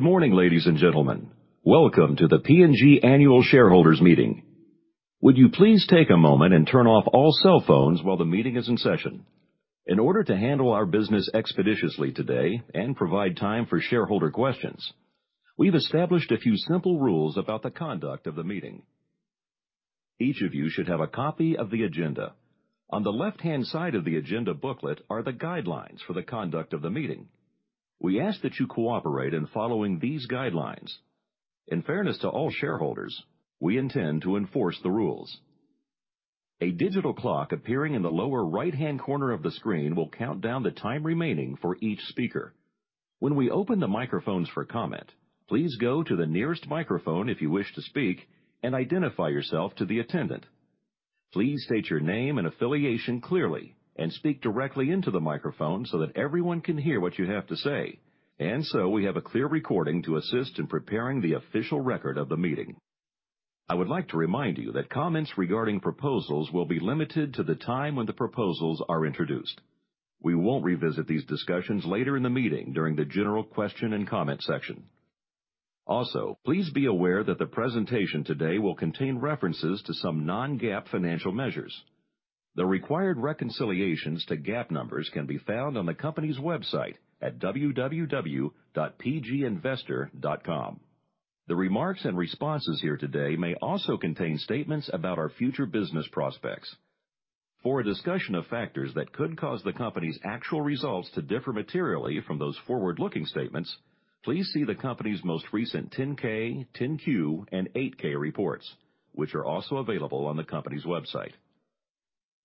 Good morning, ladies and gentlemen. Welcome to the P&G Annual Shareholders Meeting. Would you please take a moment and turn off all cell phones while the meeting is in session? In order to handle our business expeditiously today and provide time for shareholder questions, we've established a few simple rules about the conduct of the meeting. Each of you should have a copy of the agenda. On the left-hand side of the agenda booklet are the guidelines for the conduct of the meeting. We ask that you cooperate in following these guidelines. In fairness to all shareholders, we intend to enforce the rules. A digital clock appearing in the lower right-hand corner of the screen will count down the time remaining for each speaker. When we open the microphones for comment, please go to the nearest microphone if you wish to speak and identify yourself to the attendant. Please state your name and affiliation clearly and speak directly into the microphone so that everyone can hear what you have to say, and so we have a clear recording to assist in preparing the official record of the meeting. I would like to remind you that comments regarding proposals will be limited to the time when the proposals are introduced. We won't revisit these discussions later in the meeting during the general question and comment section. Please be aware that the presentation today will contain references to some non-GAAP financial measures. The required reconciliations to GAAP numbers can be found on the company's website at www.pginvestor.com. The remarks and responses here today may also contain statements about our future business prospects. For a discussion of factors that could cause the company's actual results to differ materially from those forward-looking statements, please see the company's most recent 10-K, 10-Q, and 8-K reports, which are also available on the company's website.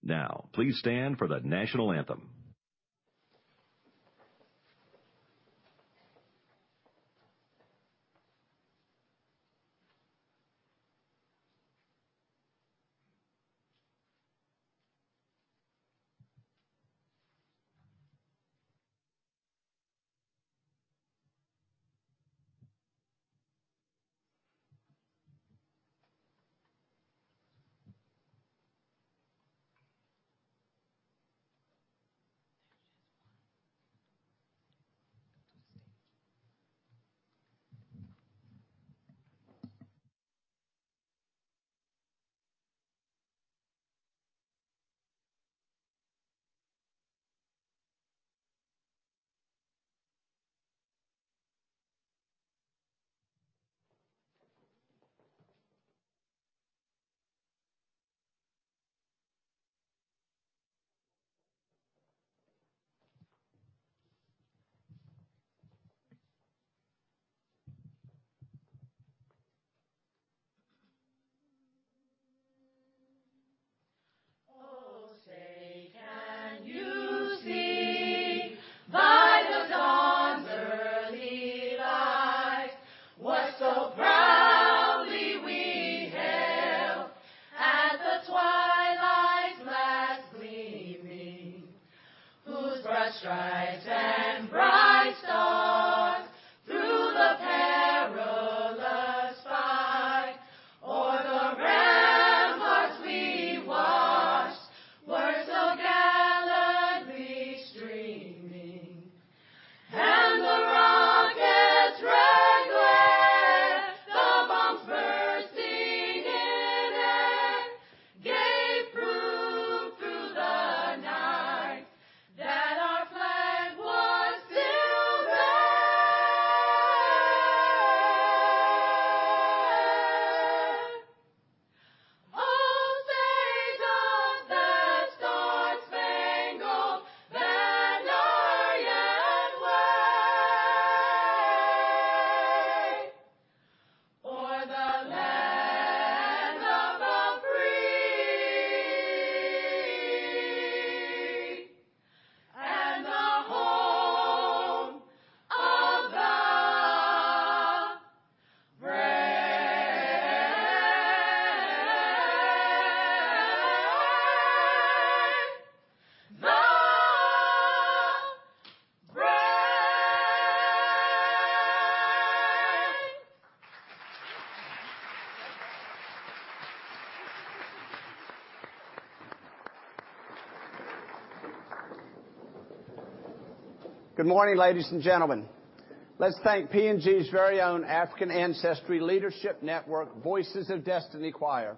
Now, please stand for the national anthem. Good morning, ladies and gentlemen. Let's thank P&G's very own African Ancestry Leadership Network, Voices of Destiny Choir.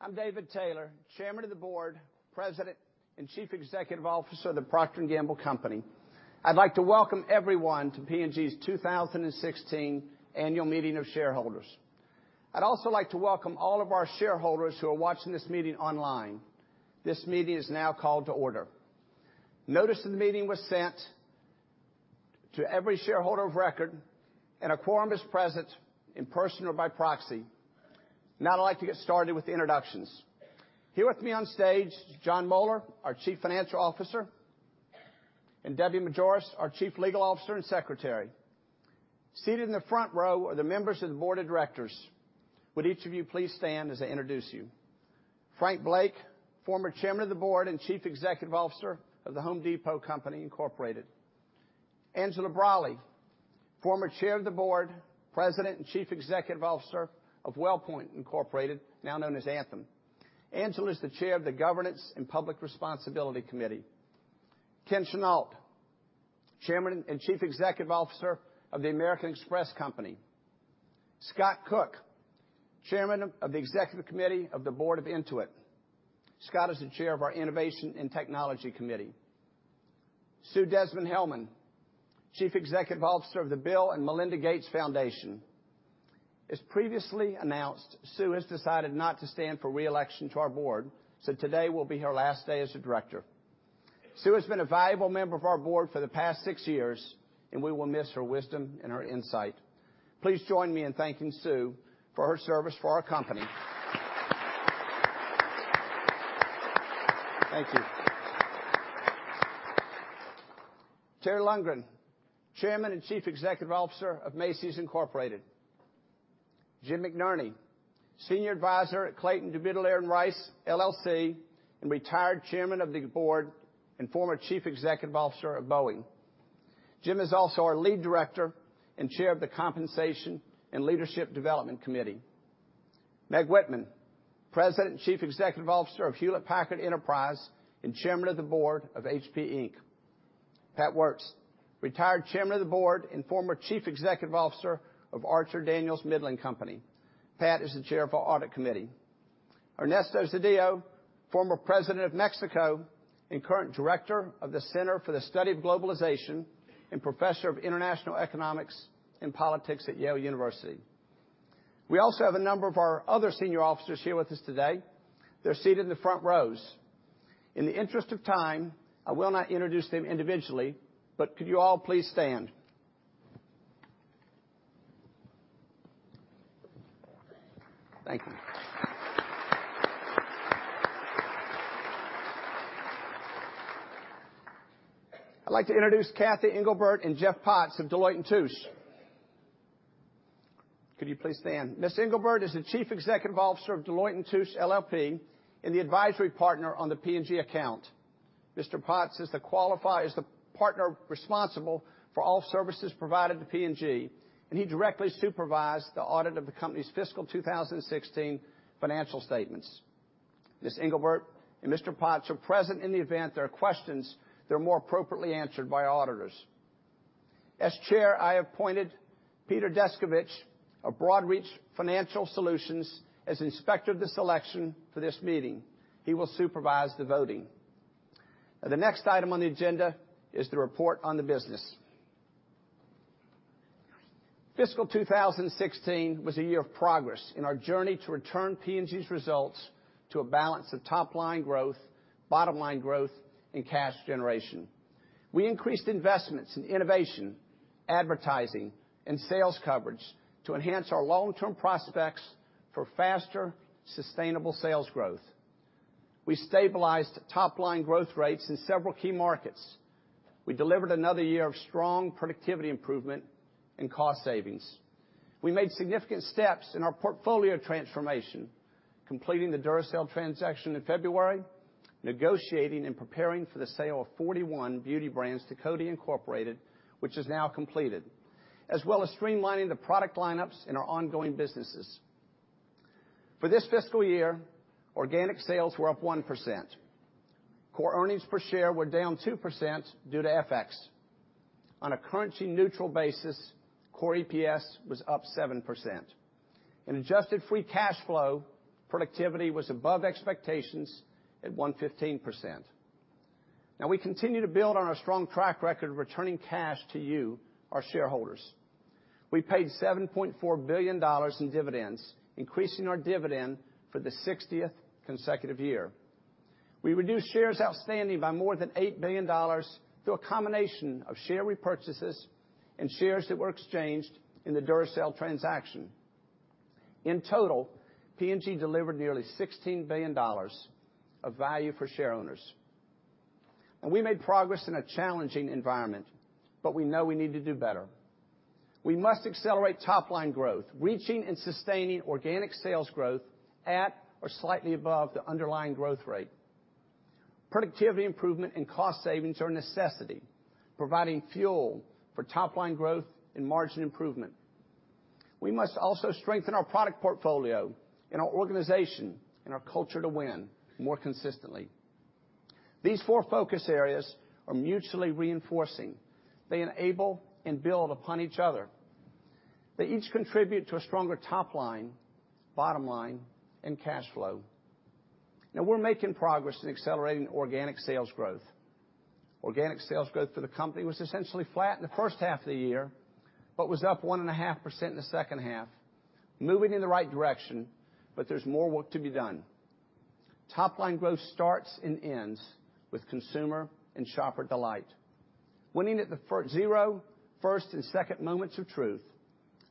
I'm David Taylor, Chairman of the Board, President and Chief Executive Officer of The Procter & Gamble Company. I'd like to welcome everyone to P&G's 2016 Annual Meeting of Shareholders. I'd also like to welcome all of our shareholders who are watching this meeting online. This meeting is now called to order. Notice that the meeting was sent to every shareholder of record, and a quorum is present in person or by proxy. Now I'd like to get started with the introductions. Here with me on stage is Jon Moeller, our Chief Financial Officer, and Debbie Majoras, our Chief Legal Officer and Secretary. Seated in the front row are the members of the Board of Directors. Would each of you please stand as I introduce you? Frank Blake, former Chairman of the Board and Chief Executive Officer of The Home Depot, Inc. Angela Braly, former Chair of the Board, President, and Chief Executive Officer of WellPoint, Inc., now known as Anthem. Angela is the Chair of the Governance & Public Responsibility Committee. Ken Chenault, Chairman and Chief Executive Officer of the American Express Company. Scott Cook, Chairman of the Executive Committee of the Board of Intuit. Scott is the Chair of our Innovation & Technology Committee. Sue Desmond-Hellmann, Chief Executive Officer of the Bill & Melinda Gates Foundation. As previously announced, Sue has decided not to stand for re-election to our board, so today will be her last day as a director. Sue has been a valuable member of our board for the past six years, and we will miss her wisdom and her insight. Please join me in thanking Sue for her service for our company. Thank you. Terry Lundgren, Chairman and Chief Executive Officer of Macy's, Inc. Jim McNerney, Senior Advisor at Clayton, Dubilier & Rice, LLC, and retired Chairman of the Board and former Chief Executive Officer of Boeing. Jim is also our Lead Director and Chair of the Compensation & Leadership Development Committee. Meg Whitman, President and Chief Executive Officer of Hewlett Packard Enterprise and Chairman of the Board of HP Inc. Pat Woertz, retired Chairman of the Board and former Chief Executive Officer of Archer-Daniels-Midland Company. Pat is the Chair of our Audit Committee. Ernesto Zedillo, former President of Mexico and current Director of the Yale Center for the Study of Globalization and Professor of International Economics and Politics at Yale University. We also have a number of our other senior officers here with us today. They're seated in the front rows. In the interest of time, I will not introduce them individually, but could you all please stand? Thank you. I'd like to introduce Cathy Engelbert and Jeff Potts of Deloitte & Touche. Could you please stand? Ms. Engelbert is the Chief Executive Officer of Deloitte & Touche LLP and the Advisory Partner on the P&G account. Mr. Potts is the partner responsible for all services provided to P&G, and he directly supervised the audit of the company's fiscal 2016 financial statements. Ms. Engelbert and Mr. Potts are present in the event there are questions that are more appropriately answered by auditors. As Chair, I appointed Peter Descovich of Broadridge Financial Solutions as Inspector of this election for this meeting. He will supervise the voting. The next item on the agenda is the report on the business. Fiscal 2016 was a year of progress in our journey to return P&G's results to a balance of top-line growth, bottom-line growth, and cash generation. We increased investments in innovation, advertising, and sales coverage to enhance our long-term prospects for faster, sustainable sales growth. We stabilized top-line growth rates in several key markets. We delivered another year of strong productivity improvement and cost savings. We made significant steps in our portfolio transformation, completing the Duracell transaction in February, negotiating and preparing for the sale of 41 beauty brands to Coty Inc., which is now completed, as well as streamlining the product lineups in our ongoing businesses. For this fiscal year, organic sales were up 1%. Core earnings per share were down 2% due to FX. On a currency-neutral basis, core EPS was up 7%. In adjusted free cash flow, productivity was above expectations at 115%. We continue to build on our strong track record of returning cash to you, our shareholders. We paid $7.4 billion in dividends, increasing our dividend for the 60th consecutive year. We reduced shares outstanding by more than $8 billion through a combination of share repurchases and shares that were exchanged in the Duracell transaction. In total, P&G delivered nearly $16 billion of value for shareowners. We made progress in a challenging environment, but we know we need to do better. We must accelerate top-line growth, reaching and sustaining organic sales growth at or slightly above the underlying growth rate. Productivity improvement and cost savings are a necessity, providing fuel for top-line growth and margin improvement. We must also strengthen our product portfolio and our organization and our culture to win more consistently. These four focus areas are mutually reinforcing. They enable and build upon each other. They each contribute to a stronger top line, bottom line, and cash flow. We're making progress in accelerating organic sales growth. Organic sales growth for the company was essentially flat in the first half of the year, but was up 1.5% in the second half, moving in the right direction, but there's more work to be done. Top-line growth starts and ends with consumer and shopper delight. Winning at the zero, first, and second moments of truth,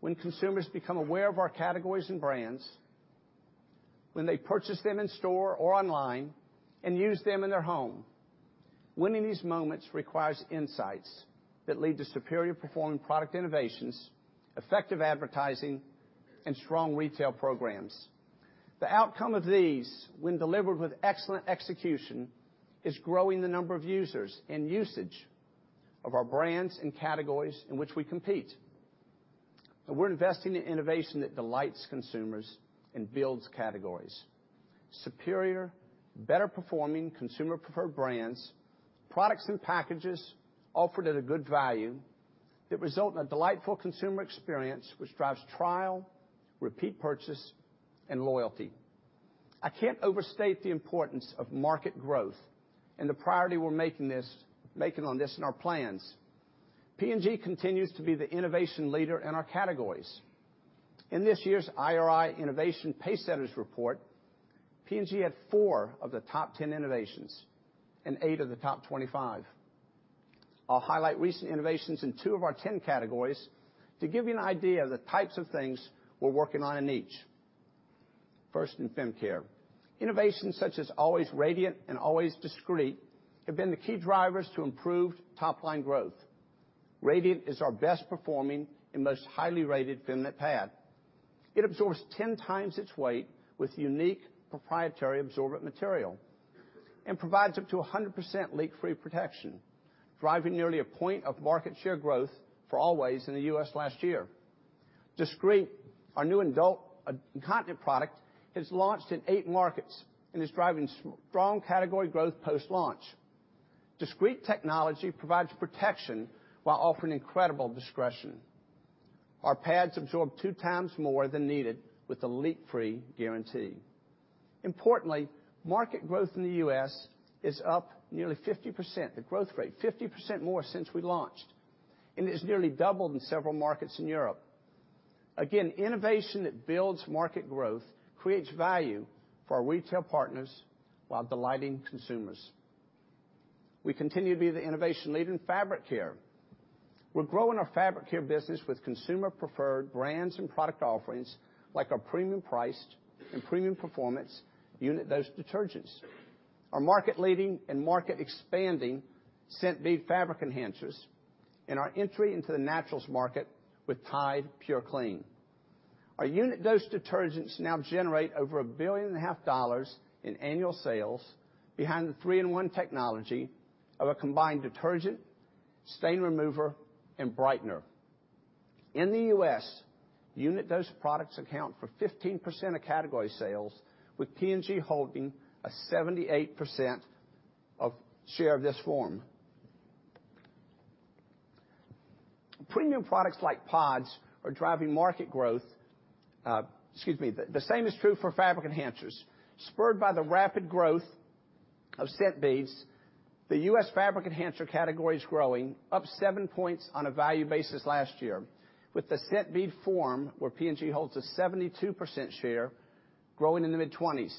when consumers become aware of our categories and brands, when they purchase them in store or online and use them in their home. Winning these moments requires insights that lead to superior performing product innovations, effective advertising, and strong retail programs. The outcome of these, when delivered with excellent execution, is growing the number of users and usage of our brands and categories in which we compete. We're investing in innovation that delights consumers and builds categories. Superior, better performing, consumer-preferred brands, products and packages offered at a good value that result in a delightful consumer experience, which drives trial, repeat purchase, and loyalty. I can't overstate the importance of market growth and the priority we're making on this in our plans. P&G continues to be the innovation leader in our categories. In this year's IRI New Product Pacesetters report, P&G had four of the top 10 innovations and eight of the top 25. I'll highlight recent innovations in two of our 10 categories to give you an idea of the types of things we're working on in each. First, in fem care. Innovations such as Always Radiant and Always Discreet have been the key drivers to improved top-line growth. Radiant is our best performing and most highly rated feminine pad. It absorbs 10 times its weight with unique proprietary absorbent material and provides up to 100% leak-free protection, driving nearly a point of market share growth for Always in the U.S. last year. Always Discreet, our new adult incontinence product, has launched in eight markets and is driving strong category growth post-launch. Always Discreet technology provides protection while offering incredible discretion. Our pads absorb two times more than needed with a leak-free guarantee. Importantly, market growth in the U.S. is up nearly 50%, the growth rate, 50% more since we launched, and it's nearly doubled in several markets in Europe. Again, innovation that builds market growth creates value for our retail partners while delighting consumers. We continue to be the innovation lead in fabric care. We're growing our fabric care business with consumer-preferred brands and product offerings, like our premium priced and premium performance unit dose detergents, our market-leading and market-expanding scent bead fabric enhancers, and our entry into the naturals market with Tide purclean. Our unit dose detergents now generate over a billion and a half dollars in annual sales behind the three-in-one technology of a combined detergent, stain remover, and brightener. In the U.S., unit dose products account for 15% of category sales, with P&G holding a 78% of share of this form. Premium products like pods are driving market growth. Excuse me. The same is true for fabric enhancers. Spurred by the rapid growth of scent beads, the U.S. fabric enhancer category is growing up seven points on a value basis last year with the scent bead form, where P&G holds a 72% share, growing in the mid-20s.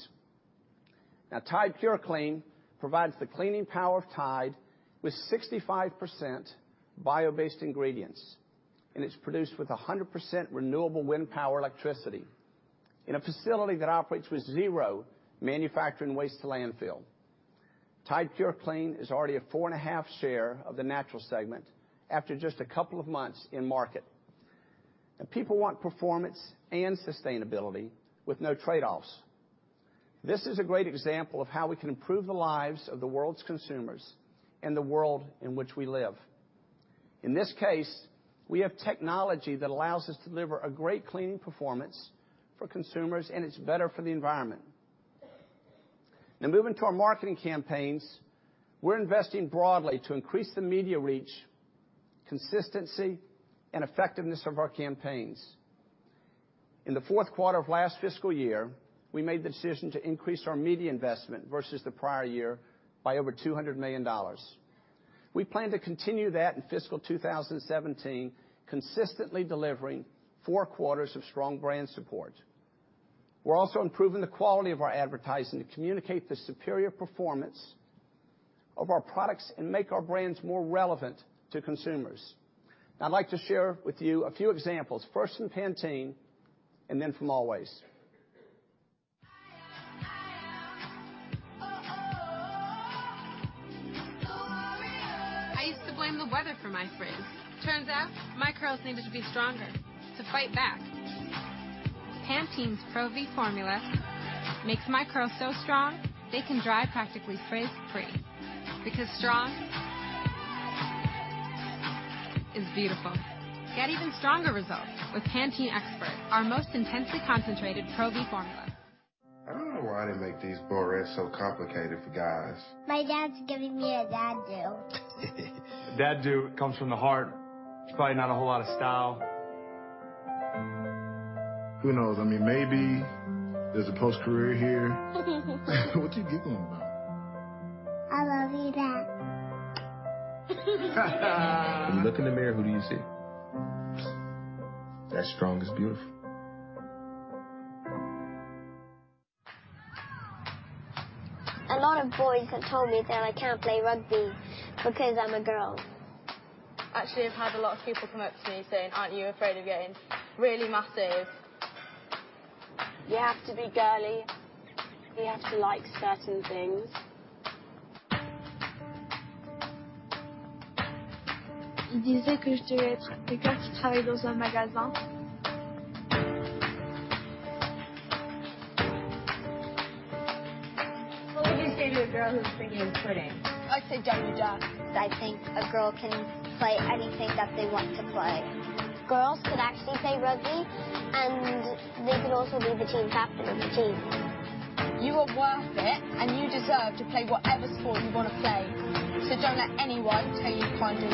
Now, Tide purclean provides the cleaning power of Tide with 65% bio-based ingredients, and it's produced with 100% renewable wind power electricity in a facility that operates with zero manufacturing waste to landfill. Tide purclean is already a 4.5 share of the natural segment after just a couple of months in market. And people want performance and sustainability with no trade-offs. This is a great example of how we can improve the lives of the world's consumers and the world in which we live. In this case, we have technology that allows us to deliver a great cleaning performance for consumers, and it's better for the environment. Now moving to our marketing campaigns. We're investing broadly to increase the media reach, consistency, and effectiveness of our campaigns. In the fourth quarter of last fiscal year, we made the decision to increase our media investment versus the prior year by over $200 million. We plan to continue that in fiscal 2017, consistently delivering four quarters of strong brand support. We're also improving the quality of our advertising to communicate the superior performance of our products and make our brands more relevant to consumers. Now, I'd like to share with you a few examples. First from Pantene and then from Always. I am. A warrior. I used to blame the weather for my frizz. Turns out my curls needed to be stronger to fight back. Pantene's Pro-V formula makes my curls so strong they can dry practically frizz-free. Because strong is beautiful. Get even stronger results with Pantene Expert, our most intensely concentrated Pro-V formula. I don't know why they make these berets so complicated for guys. My dad's giving me a Dad Do. A Dad Do comes from the heart. It's probably not a whole lot of style. Who knows? I mean, maybe there's a post-career here. What you giggling about? I love you, Dad. When you look in the mirror, who do you see? That strong is beautiful. A lot of boys have told me that I can't play rugby because I'm a girl. Actually, I've had a lot of people come up to me saying, "Aren't you afraid of getting really massive? You have to be girly. You have to like certain things He said that I should be a clerk who works in a store. What would you say to a girl who's thinking of quitting? I'd say, "Don't you dare. I think a girl can play anything that they want to play. Girls can actually play rugby, and they can also be the team captain of the team. You are worth it, and you deserve to play whatever sport you want to play. Don't let anyone tell you you can't do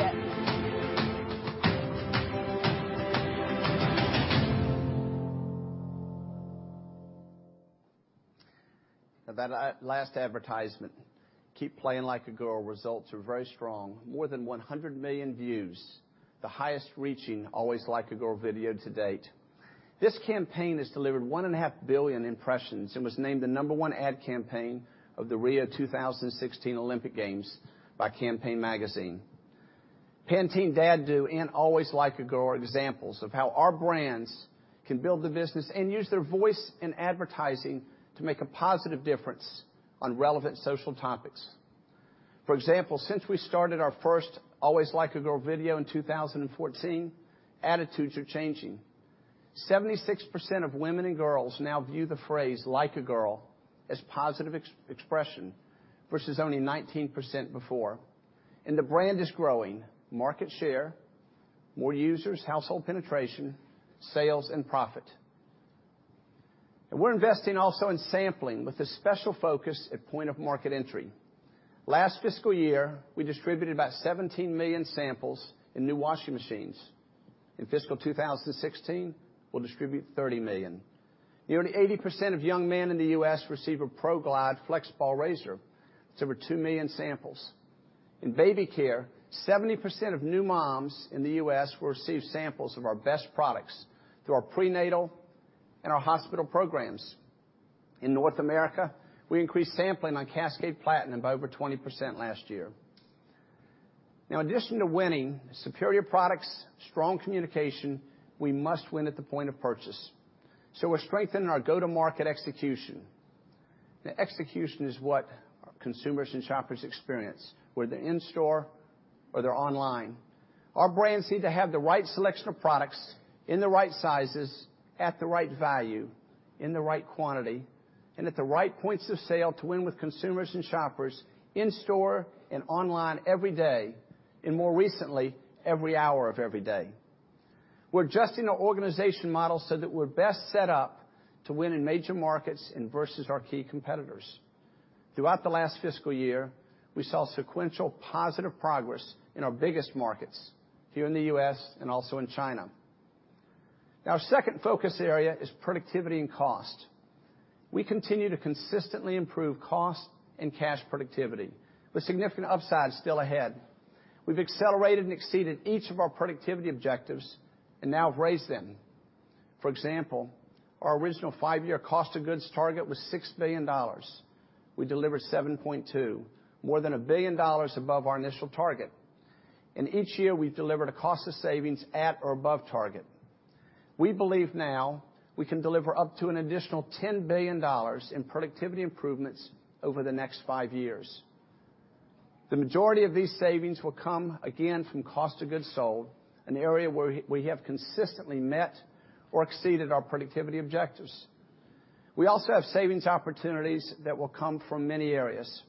it. That last advertisement, Keep Playing Like a Girl, results are very strong. More than 100 million views, the highest reaching Always Like a Girl video to date. This campaign has delivered 1.5 billion impressions and was named the number one ad campaign of the Rio 2016 Olympic Games by Campaign Magazine. Pantene Dad Do and Always Like a Girl are examples of how our brands can build the business and use their voice in advertising to make a positive difference on relevant social topics. For example, since we started our first Always Like a Girl video in 2014, attitudes are changing. 76% of women and girls now view the phrase "like a girl" as positive expression, versus only 19% before. The brand is growing market share, more users, household penetration, sales, and profit. We're investing also in sampling with a special focus at point of market entry. Last fiscal year, we distributed about 17 million samples in new washing machines. In fiscal 2016, we'll distribute 30 million. Nearly 80% of young men in the U.S. receive a ProGlide FlexBall razor. That's over two million samples. In baby care, 70% of new moms in the U.S. will receive samples of our best products through our prenatal and our hospital programs. In North America, we increased sampling on Cascade Platinum by over 20% last year. In addition to winning, superior products, strong communication, we must win at the point of purchase. We're strengthening our go-to-market execution. Execution is what our consumers and shoppers experience, whether they're in store or they're online. Our brands need to have the right selection of products in the right sizes at the right value, in the right quantity, and at the right points of sale to win with consumers and shoppers in store and online every day, and more recently, every hour of every day. We're adjusting our organization model so that we're best set up to win in major markets and versus our key competitors. Throughout the last fiscal year, we saw sequential positive progress in our biggest markets, here in the U.S. and also in China. Our second focus area is productivity and cost. We continue to consistently improve cost and cash productivity with significant upside still ahead. We've accelerated and exceeded each of our productivity objectives and now have raised them. For example, our original five-year cost of goods target was $6 billion. We delivered $7.2, more than $1 billion above our initial target. Each year, we've delivered a cost of savings at or above target. We believe now we can deliver up to an additional $10 billion in productivity improvements over the next five years. The majority of these savings will come again from cost of goods sold, an area where we have consistently met or exceeded our productivity objectives. We also have savings opportunities that will come from many areas.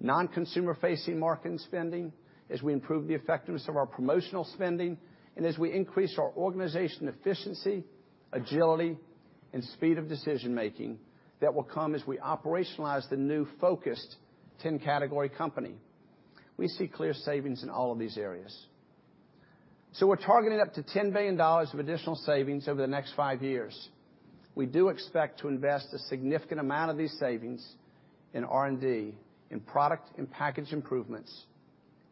Non-consumer facing marketing spending, as we improve the effectiveness of our promotional spending, and as we increase our organization efficiency, agility, and speed of decision making that will come as we operationalize the new focused 10-category company. We see clear savings in all of these areas. We're targeting up to $10 billion of additional savings over the next five years. We do expect to invest a significant amount of these savings in R&D, in product and package improvements,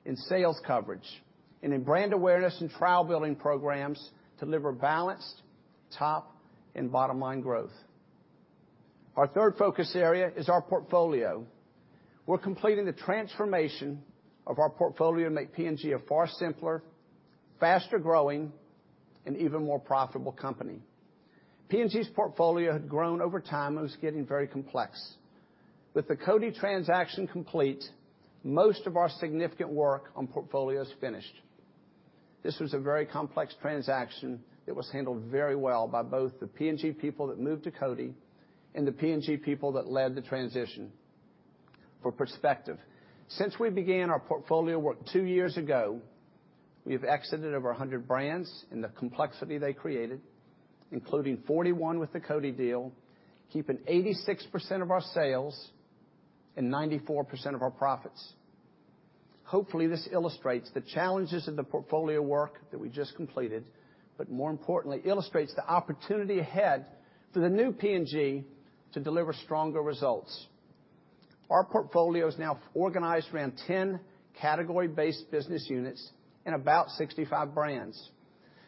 in sales coverage, and in brand awareness and trial-building programs to deliver balanced top and bottom-line growth. Our third focus area is our portfolio. We're completing the transformation of our portfolio to make P&G a far simpler, faster-growing, and even more profitable company. P&G's portfolio had grown over time and was getting very complex. With the Coty transaction complete, most of our significant work on portfolio is finished. This was a very complex transaction that was handled very well by both the P&G people that moved to Coty and the P&G people that led the transition. For perspective, since we began our portfolio work two years ago, we have exited over 100 brands and the complexity they created, including 41 with the Coty deal, keeping 86% of our sales and 94% of our profits. Hopefully, this illustrates the challenges of the portfolio work that we just completed, but more importantly, illustrates the opportunity ahead for the new P&G to deliver stronger results. Our portfolio is now organized around 10 category-based business units and about 65 brands.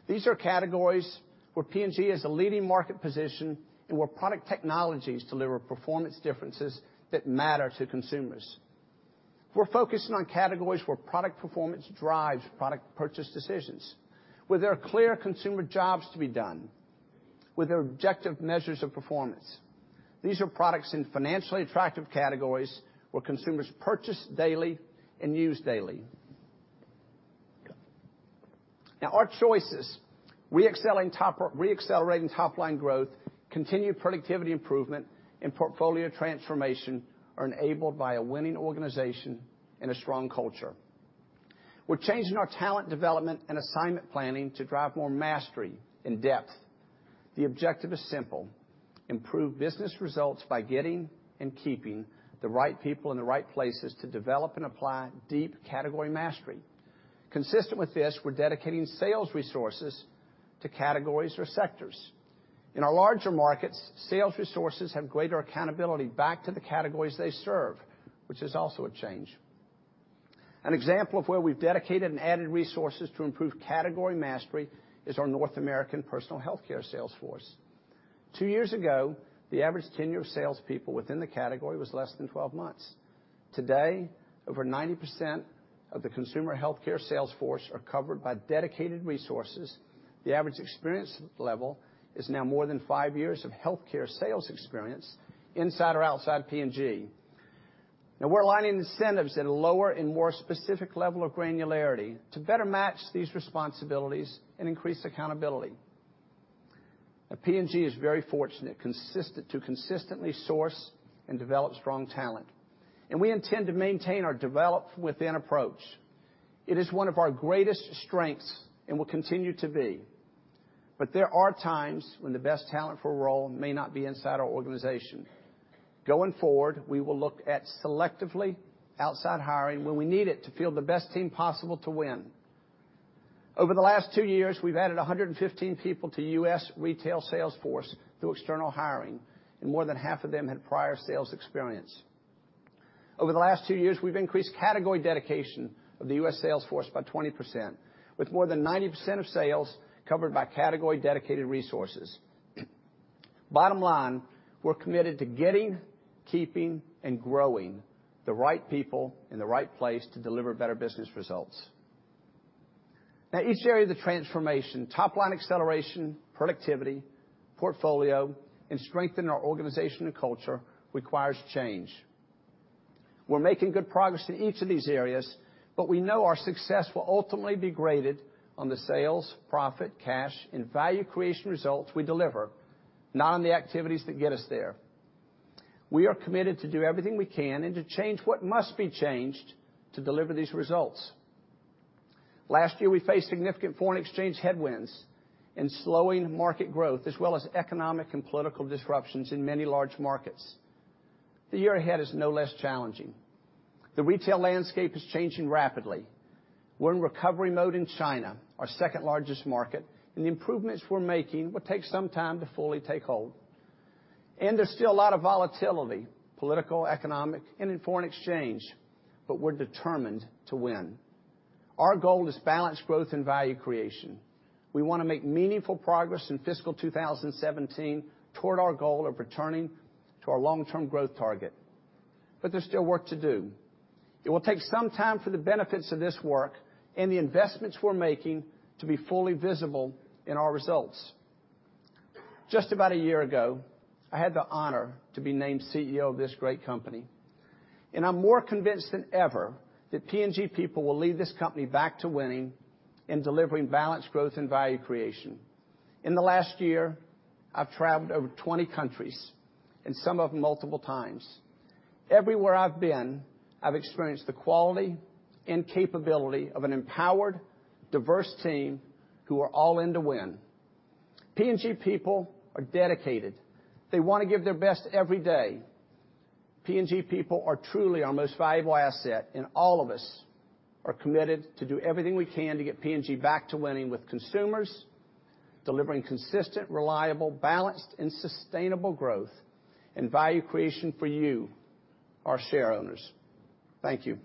These are categories where P&G has a leading market position and where product technologies deliver performance differences that matter to consumers. We're focusing on categories where product performance drives product purchase decisions, where there are clear consumer jobs to be done with their objective measures of performance. These are products in financially attractive categories where consumers purchase daily and use daily. Our choices, re-accelerating top line growth, continued productivity improvement, and portfolio transformation are enabled by a winning organization and a strong culture. We're changing our talent development and assignment planning to drive more mastery and depth. The objective is simple: improve business results by getting and keeping the right people in the right places to develop and apply deep category mastery. Consistent with this, we're dedicating sales resources to categories or sectors. In our larger markets, sales resources have greater accountability back to the categories they serve, which is also a change. An example of where we've dedicated and added resources to improve category mastery is our North American personal healthcare sales force. Two years ago, the average tenure of salespeople within the category was less than 12 months. Today, over 90% of the consumer healthcare sales force are covered by dedicated resources. The average experience level is now more than five years of healthcare sales experience inside or outside P&G. We're aligning incentives at a lower and more specific level of granularity to better match these responsibilities and increase accountability. P&G is very fortunate to consistently source and develop strong talent, and we intend to maintain our develop within approach. It is one of our greatest strengths and will continue to be, but there are times when the best talent for a role may not be inside our organization. Going forward, we will look at selectively outside hiring when we need it to field the best team possible to win. Over the last two years, we've added 115 people to U.S. retail sales force through external hiring, and more than half of them had prior sales experience. Over the last two years, we've increased category dedication of the U.S. sales force by 20%, with more than 90% of sales covered by category dedicated resources. Bottom line, we're committed to getting, keeping, and growing the right people in the right place to deliver better business results. Now, each area of the transformation, top line acceleration, productivity, portfolio, and strengthening our organization and culture requires change. We're making good progress in each of these areas, but we know our success will ultimately be graded on the sales, profit, cash, and value creation results we deliver, not on the activities that get us there. We are committed to do everything we can and to change what must be changed to deliver these results. Last year, we faced significant foreign exchange headwinds and slowing market growth, as well as economic and political disruptions in many large markets. The year ahead is no less challenging. The retail landscape is changing rapidly. We're in recovery mode in China, our second largest market, and the improvements we're making will take some time to fully take hold. There's still a lot of volatility, political, economic, and in foreign exchange, but we're determined to win. Our goal is balanced growth and value creation. We want to make meaningful progress in fiscal 2017 toward our goal of returning to our long-term growth target. There's still work to do. It will take some time for the benefits of this work and the investments we're making to be fully visible in our results. Just about a year ago, I had the honor to be named CEO of this great company, and I'm more convinced than ever that P&G people will lead this company back to winning and delivering balanced growth and value creation. In the last year, I've traveled to over 20 countries, and some of them multiple times. Everywhere I've been, I've experienced the quality and capability of an empowered, diverse team who are all in to win. P&G people are dedicated. They want to give their best every day. P&G people are truly our most valuable asset, and all of us are committed to do everything we can to get P&G back to winning with consumers, delivering consistent, reliable, balanced, and sustainable growth and value creation for you, our shareowners. Thank you.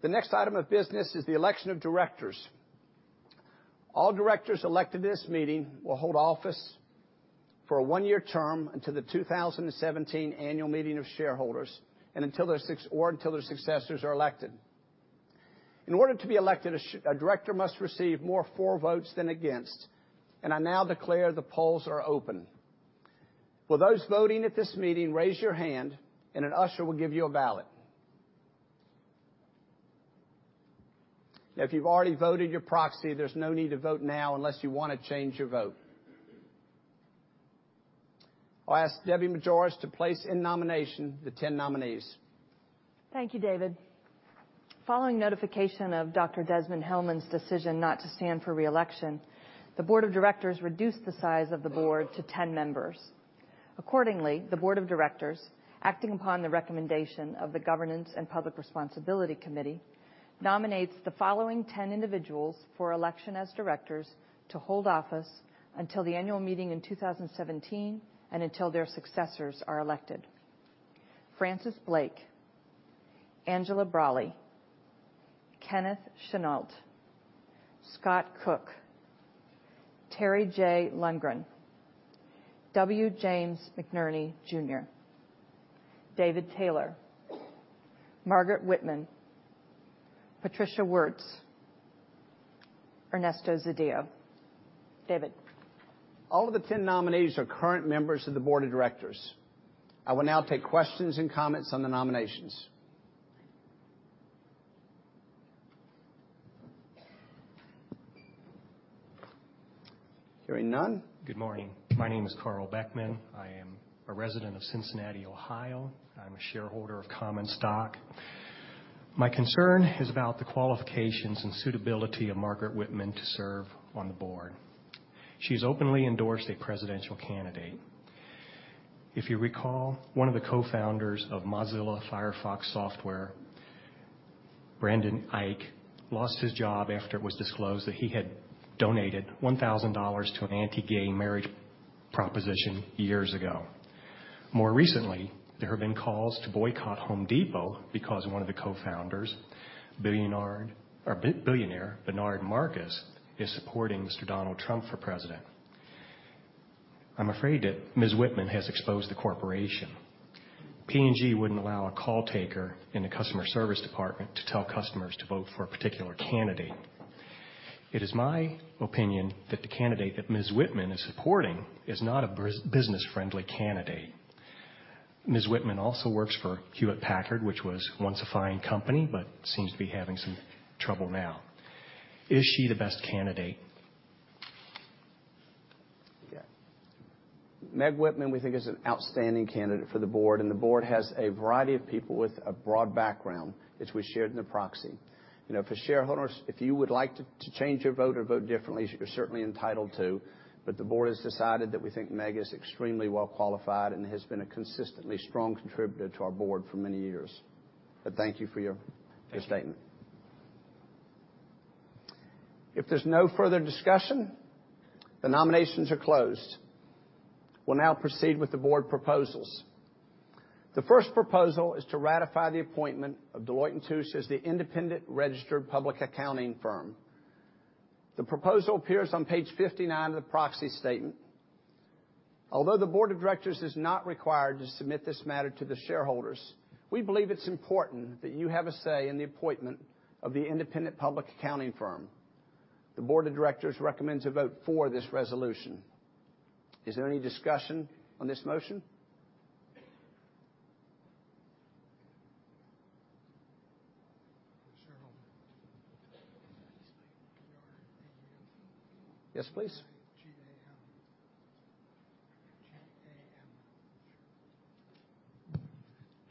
The next item of business is the election of directors. All directors elected this meeting will hold office for a one-year term until the 2017 annual meeting of shareholders, or until their successors are elected. In order to be elected, a director must receive more for votes than against, and I now declare the polls are open. Will those voting at this meeting raise your hand and an usher will give you a ballot. If you've already voted your proxy, there's no need to vote now unless you want to change your vote. I'll ask Debbie Majoras to place in nomination the 10 nominees. Thank you, David. Following notification of Dr. Desmond-Hellmann's decision not to stand for reelection, the Board of Directors reduced the size of the Board to 10 members. Accordingly, the Board of Directors, acting upon the recommendation of the Governance & Public Responsibility Committee, nominates the following 10 individuals for election as directors to hold office until the annual meeting in 2017 and until their successors are elected. Francis Blake, Angela Braly, Kenneth Chenault, Scott Cook, Terry J. Lundgren, W. James McNerney, Jr., David Taylor, Margaret Whitman, Patricia Woertz, Ernesto Zedillo. David. All of the 10 nominees are current members of the Board of Directors. I will now take questions and comments on the nominations. Hearing none. Good morning. My name is Carl Beckman. I am a resident of Cincinnati, Ohio. I'm a shareholder of common stock. My concern is about the qualifications and suitability of Margaret Whitman to serve on the Board. She's openly endorsed a presidential candidate. If you recall, one of the co-founders of Mozilla Firefox software, Brendan Eich, lost his job after it was disclosed that he had donated $1,000 to an anti-gay marriage proposition years ago. More recently, there have been calls to boycott Home Depot because one of the co-founders, billionaire Bernard Marcus, is supporting Mr. Donald Trump for president. I'm afraid that Ms. Whitman has exposed the corporation. P&G wouldn't allow a call taker in the customer service department to tell customers to vote for a particular candidate. It is my opinion that the candidate that Ms. Whitman is supporting is not a business-friendly candidate. Ms. Whitman also works for Hewlett-Packard, which was once a fine company, but seems to be having some trouble now. Is she the best candidate? Yeah. Meg Whitman, we think, is an outstanding candidate for the board, and the board has a variety of people with a broad background, which we shared in the proxy. For shareholders, if you would like to change your vote or vote differently, you are certainly entitled to, but the board has decided that we think Meg is extremely well-qualified and has been a consistently strong contributor to our board for many years. Thank you for your statement. If there is no further discussion, the nominations are closed. We will now proceed with the board proposals. The first proposal is to ratify the appointment of Deloitte & Touche as the independent registered public accounting firm. The proposal appears on page 59 of the proxy statement. Although the board of directors is not required to submit this matter to the shareholders, we believe it is important that you have a say in the appointment of the independent public accounting firm. The board of directors recommends a vote for this resolution. Is there any discussion on this motion? Shareholder. Yes, please.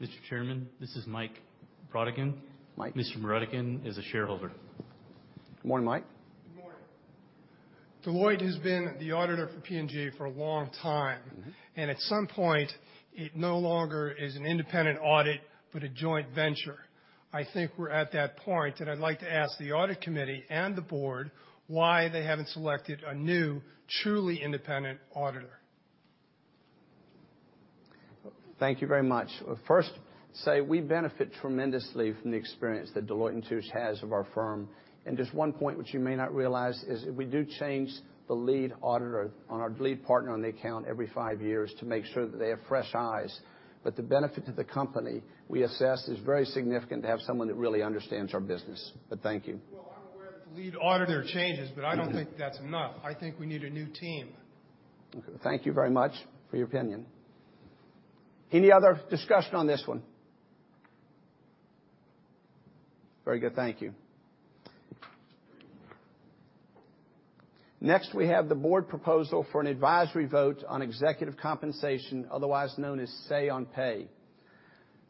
[inaudible] Mr. Chairman, this is Mike Brodigan. Mike. Mr. Brodigan is a shareholder. Good morning, Mike. Good morning. Deloitte has been the auditor for P&G for a long time. At some point, it no longer is an independent audit, but a joint venture. I think we're at that point, and I'd like to ask the Audit Committee and the Board why they haven't selected a new, truly independent auditor. Thank you very much. First, we benefit tremendously from the experience that Deloitte & Touche has of our firm. Just one point which you may not realize is we do change the lead auditor on our lead partner on the account every five years to make sure that they have fresh eyes. The benefit to the company, we assess, is very significant to have someone that really understands our business. Thank you. Well, I'm aware that the lead auditor changes, I don't think that's enough. I think we need a new team. Okay. Thank you very much for your opinion. Any other discussion on this one? Very good. Thank you. We have the Board proposal for an advisory vote on executive compensation, otherwise known as Say on Pay.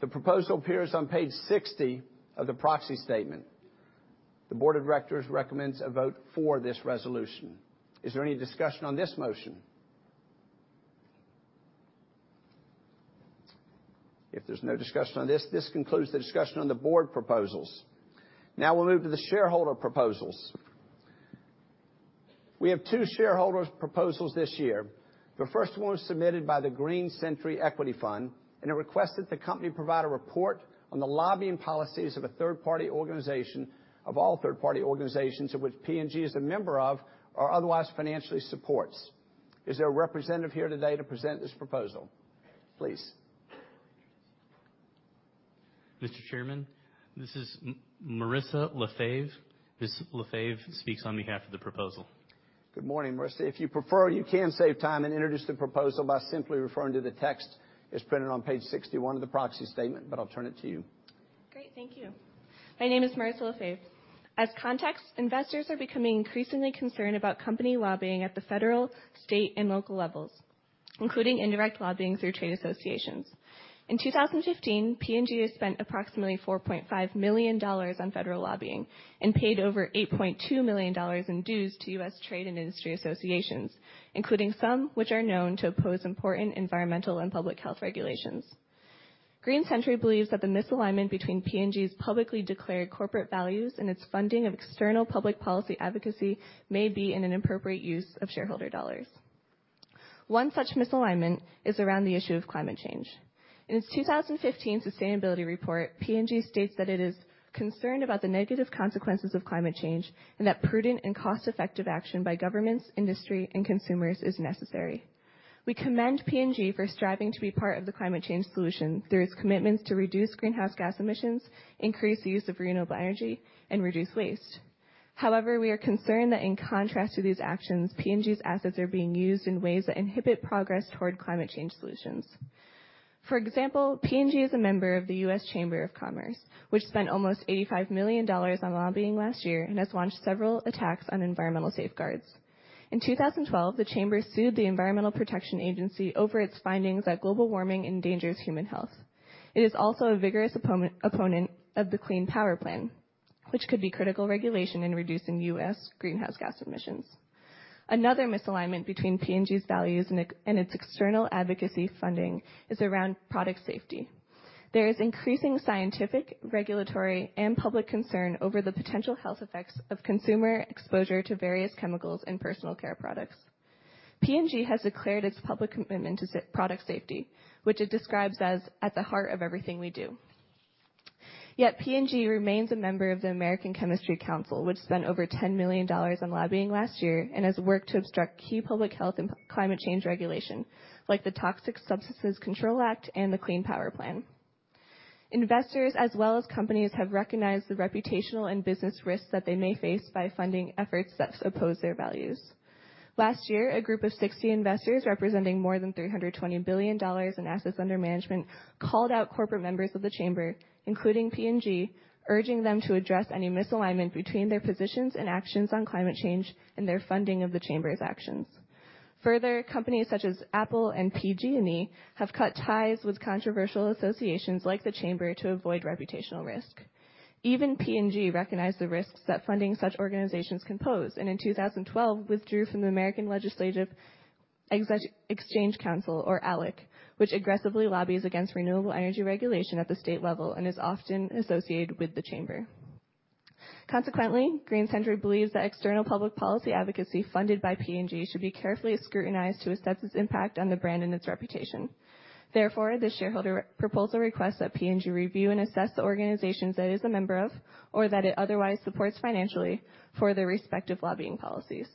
The proposal appears on page 60 of the proxy statement. The Board of Directors recommends a vote for this resolution. Is there any discussion on this motion? If there's no discussion on this concludes the discussion on the Board proposals. We'll move to the shareholder proposals. We have two shareholder proposals this year. The first one was submitted by the Green Century Equity Fund, and it requests that the company provide a report on the lobbying policies of a third-party organization, of all third-party organizations, of which P&G is a member of or otherwise financially supports. Is there a representative here today to present this proposal? Please. Mr. Chairman, this is Marissa LaFave. Ms. LaFave speaks on behalf of the proposal. Good morning, Marissa. If you prefer, you can save time and introduce the proposal by simply referring to the text as printed on page 61 of the proxy statement, I'll turn it to you. Great. Thank you. My name is Marissa LaFave. As context, investors are becoming increasingly concerned about company lobbying at the federal, state, and local levels, including indirect lobbying through trade associations. In 2015, P&G has spent approximately $4.5 million on federal lobbying and paid over $8.2 million in dues to U.S. trade and industry associations, including some which are known to oppose important environmental and public health regulations. Green Century believes that the misalignment between P&G's publicly declared corporate values and its funding of external public policy advocacy may be an inappropriate use of shareholder dollars. One such misalignment is around the issue of climate change. In its 2015 sustainability report, P&G states that it is concerned about the negative consequences of climate change, and that prudent and cost-effective action by governments, industry, and consumers is necessary. We commend P&G for striving to be part of the climate change solution through its commitments to reduce greenhouse gas emissions, increase the use of renewable energy, and reduce waste. However, we are concerned that in contrast to these actions, P&G's assets are being used in ways that inhibit progress toward climate change solutions. For example, P&G is a member of the U.S. Chamber of Commerce, which spent almost $85 million on lobbying last year and has launched several attacks on environmental safeguards. In 2012, the Chamber sued the Environmental Protection Agency over its findings that global warming endangers human health. It is also a vigorous opponent of the Clean Power Plan, which could be critical regulation in reducing U.S. greenhouse gas emissions. Another misalignment between P&G's values and its external advocacy funding is around product safety. There is increasing scientific, regulatory, and public concern over the potential health effects of consumer exposure to various chemicals in personal care products. P&G has declared its public commitment to product safety, which it describes as, "At the heart of everything we do." Yet P&G remains a member of the American Chemistry Council, which spent over $10 million on lobbying last year and has worked to obstruct key public health and climate change regulation like the Toxic Substances Control Act and the Clean Power Plan. Investors as well as companies have recognized the reputational and business risks that they may face by funding efforts that oppose their values. Last year, a group of 60 investors representing more than $320 billion in assets under management called out corporate members of the Chamber, including P&G, urging them to address any misalignment between their positions and actions on climate change and their funding of the Chamber's actions. Companies such as Apple and PG&E have cut ties with controversial associations like the Chamber to avoid reputational risk. Even P&G recognized the risks that funding such organizations can pose, and in 2012, withdrew from the American Legislative Exchange Council, or ALEC, which aggressively lobbies against renewable energy regulation at the state level and is often associated with the Chamber. Green Century believes that external public policy advocacy funded by P&G should be carefully scrutinized to assess its impact on the brand and its reputation. The shareholder proposal requests that P&G review and assess the organizations that it is a member of or that it otherwise supports financially for their respective lobbying policies.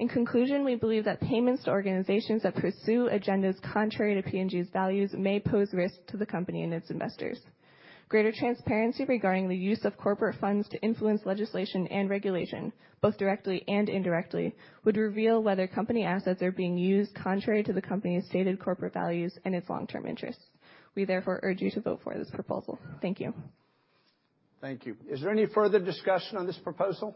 We believe that payments to organizations that pursue agendas contrary to P&G's values may pose risks to the company and its investors. Greater transparency regarding the use of corporate funds to influence legislation and regulation, both directly and indirectly, would reveal whether company assets are being used contrary to the company's stated corporate values and its long-term interests. We therefore urge you to vote for this proposal. Thank you. Thank you. Is there any further discussion on this proposal?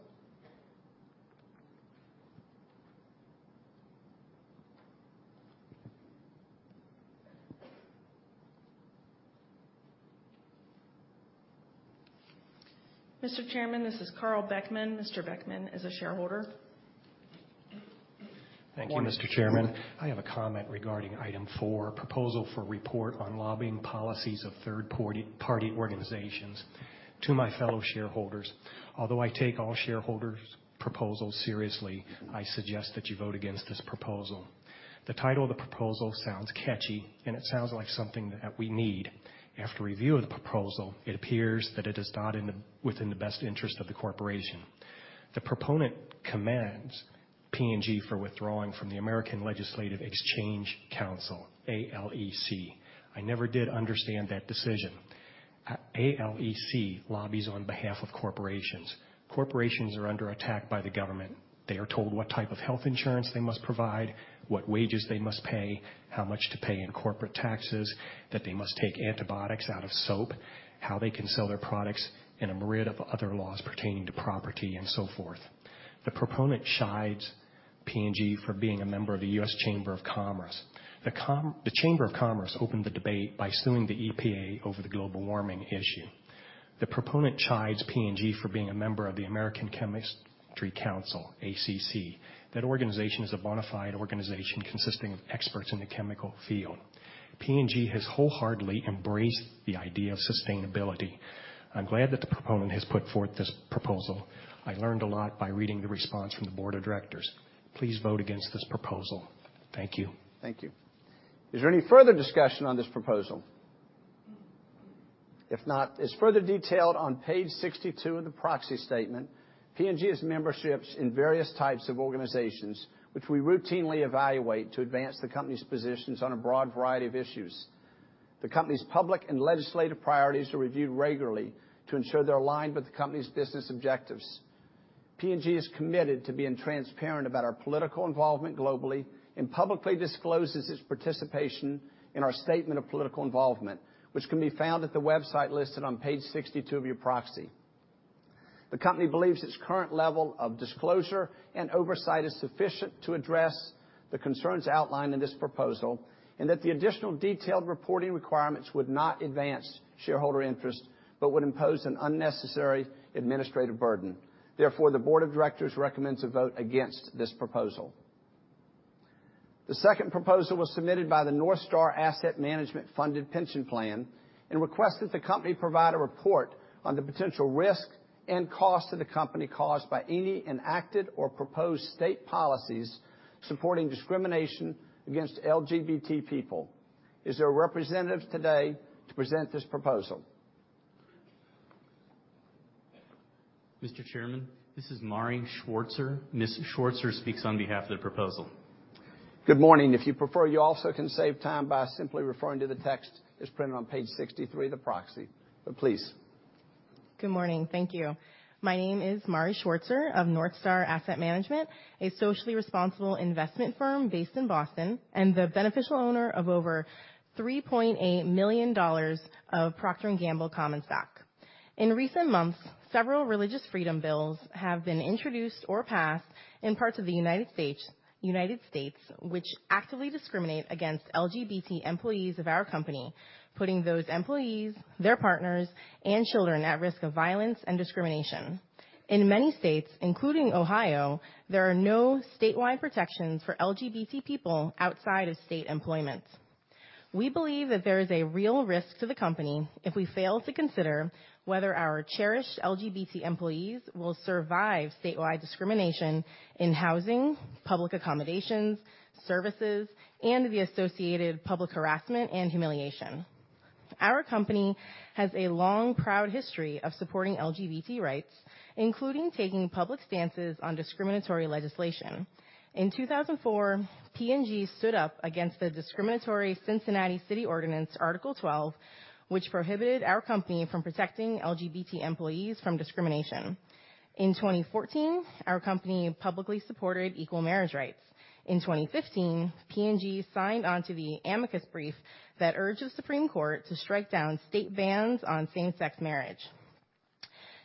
Mr. Chairman, this is Carl Beckman. Mr. Beckman is a shareholder. Thank you, Mr. Chairman. I have a comment regarding item four, proposal for report on lobbying policies of third-party organizations. To my fellow shareholders, although I take all shareholders' proposals seriously, I suggest that you vote against this proposal. The title of the proposal sounds catchy, and it sounds like something that we need. After review of the proposal, it appears that it is not within the best interest of the corporation. The proponent commends P&G for withdrawing from the American Legislative Exchange Council, ALEC. I never did understand that decision. ALEC lobbies on behalf of corporations. Corporations are under attack by the government. They are told what type of health insurance they must provide, what wages they must pay, how much to pay in corporate taxes, that they must take antibiotics out of soap, how they can sell their products, and a myriad of other laws pertaining to property and so forth. The proponent chides P&G for being a member of the US Chamber of Commerce. The Chamber of Commerce opened the debate by suing the EPA over the global warming issue. The proponent chides P&G for being a member of the American Chemistry Council, ACC. That organization is a bona fide organization consisting of experts in the chemical field. P&G has wholeheartedly embraced the idea of sustainability. I'm glad that the proponent has put forth this proposal. I learned a lot by reading the response from the board of directors. Please vote against this proposal. Thank you. Thank you. Is there any further discussion on this proposal? If not, as further detailed on page 62 of the proxy statement, P&G has memberships in various types of organizations, which we routinely evaluate to advance the company's positions on a broad variety of issues. The company's public and legislative priorities are reviewed regularly to ensure they're aligned with the company's business objectives. P&G is committed to being transparent about our political involvement globally and publicly discloses its participation in our statement of political involvement, which can be found at the website listed on page 62 of your proxy. The company believes its current level of disclosure and oversight is sufficient to address the concerns outlined in this proposal, and that the additional detailed reporting requirements would not advance shareholder interest but would impose an unnecessary administrative burden. Therefore, the board of directors recommends a vote against this proposal. The second proposal was submitted by the NorthStar Asset Management, Inc. Funded Pension Plan and requests that the company provide a report on the potential risk and cost to the company caused by any enacted or proposed state policies supporting discrimination against LGBT people. Is there a representative today to present this proposal? Mr. Chairman, this is Mari Schwartzer. Ms. Schwartzer speaks on behalf of the proposal. Good morning. If you prefer, you also can save time by simply referring to the text that's printed on page 63 of the proxy. Please. Good morning. Thank you. My name is Mari Schwartzer of NorthStar Asset Management, Inc., a socially responsible investment firm based in Boston and the beneficial owner of over $3.8 million of The Procter & Gamble Company common stock. In recent months, several religious freedom bills have been introduced or passed in parts of the U.S. which actively discriminate against LGBT employees of our company, putting those employees, their partners, and children at risk of violence and discrimination. In many states, including Ohio, there are no statewide protections for LGBT people outside of state employment. We believe that there is a real risk to the company if we fail to consider whether our cherished LGBT employees will survive statewide discrimination in housing, public accommodations, services, and the associated public harassment and humiliation. Our company has a long, proud history of supporting LGBT rights, including taking public stances on discriminatory legislation. In 2004, P&G stood up against the discriminatory Cincinnati city ordinance Article 12, which prohibited our company from protecting LGBT employees from discrimination. In 2014, our company publicly supported equal marriage rights. In 2015, P&G signed onto the amicus brief that urged the Supreme Court to strike down state bans on same-sex marriage.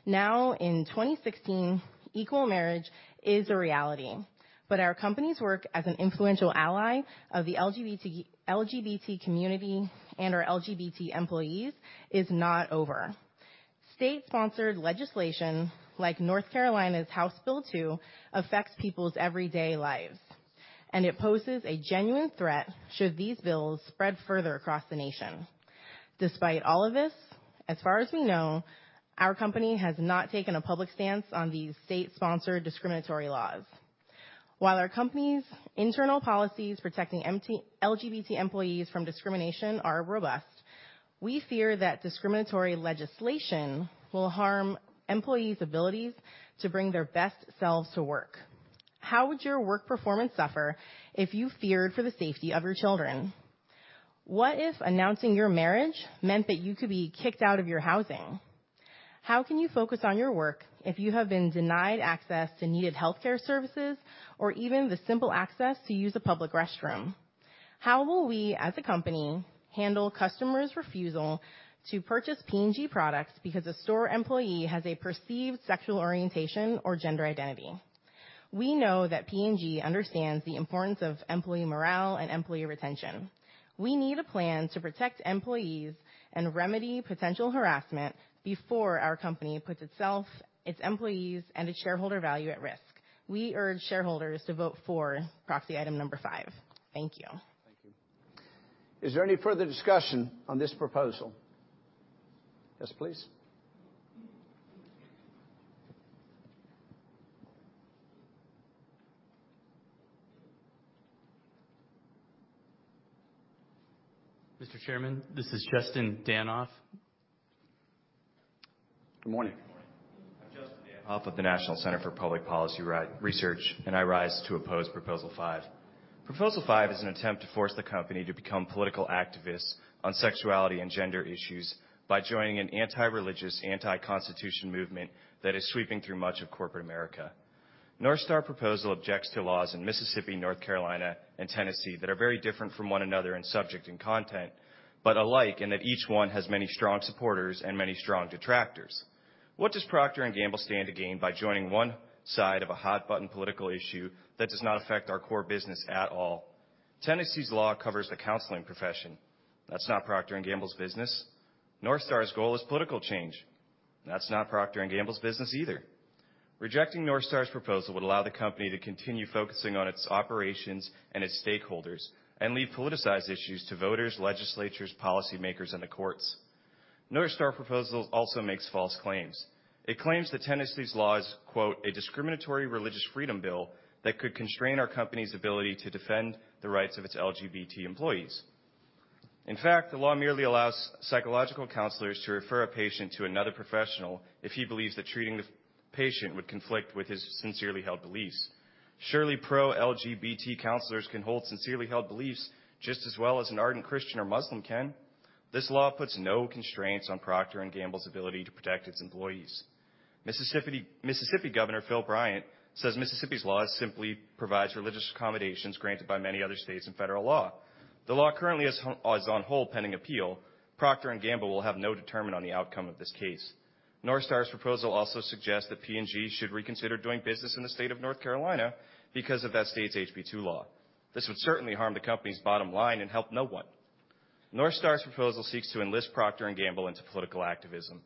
Now, in 2016, equal marriage is a reality, but our company's work as an influential ally of the LGBT community and our LGBT employees is not over. State-sponsored legislation, like North Carolina's House Bill 2, affects people's everyday lives, and it poses a genuine threat should these bills spread further across the nation. Despite all of this, as far as we know, our company has not taken a public stance on these state-sponsored discriminatory laws. While our company's internal policies protecting LGBT employees from discrimination are robust, we fear that discriminatory legislation will harm employees' abilities to bring their best selves to work. How would your work performance suffer if you feared for the safety of your children? What if announcing your marriage meant that you could be kicked out of your housing? How can you focus on your work if you have been denied access to needed healthcare services or even the simple access to use a public restroom? How will we, as a company, handle customers' refusal to purchase P&G products because a store employee has a perceived sexual orientation or gender identity? We know that P&G understands the importance of employee morale and employee retention. We need a plan to protect employees and remedy potential harassment before our company puts itself, its employees, and its shareholder value at risk. We urge shareholders to vote for proxy item number five. Thank you. Thank you. Is there any further discussion on this proposal? Yes, please. Mr. Chairman, this is Justin Danhof. Good morning. I am Justin Danhof of the National Center for Public Policy Research, I rise to oppose proposal five. Proposal five is an attempt to force the company to become political activists on sexuality and gender issues by joining an anti-religious, anti-Constitution movement that is sweeping through much of corporate America. NorthStar proposal objects to laws in Mississippi, North Carolina, and Tennessee that are very different from one another in subject and content, but alike in that each one has many strong supporters and many strong detractors. What does Procter & Gamble stand to gain by joining one side of a hot-button political issue that does not affect our core business at all? Tennessee's law covers the counseling profession. That's not Procter & Gamble's business. NorthStar's goal is political change. That's not Procter & Gamble's business either. Rejecting NorthStar's proposal would allow the company to continue focusing on its operations and its stakeholders and leave politicized issues to voters, legislatures, policymakers, and the courts. NorthStar proposal also makes false claims. It claims that Tennessee's law is, quote, "a discriminatory religious freedom bill that could constrain our company's ability to defend the rights of its LGBT employees". In fact, the law merely allows psychological counselors to refer a patient to another professional if he believes that treating the patient would conflict with his sincerely held beliefs. Surely, pro-LGBT counselors can hold sincerely held beliefs just as well as an ardent Christian or Muslim can. This law puts no constraints on Procter & Gamble's ability to protect its employees. Mississippi Governor Phil Bryant says Mississippi's law simply provides religious accommodations granted by many other states and federal law. The law currently is on hold pending appeal. Procter & Gamble will have no determine on the outcome of this case. NorthStar's proposal also suggests that P&G should reconsider doing business in the state of North Carolina because of that state's HB2 law. This would certainly harm the company's bottom line and help no one. NorthStar's proposal seeks to enlist Procter & Gamble into political activism.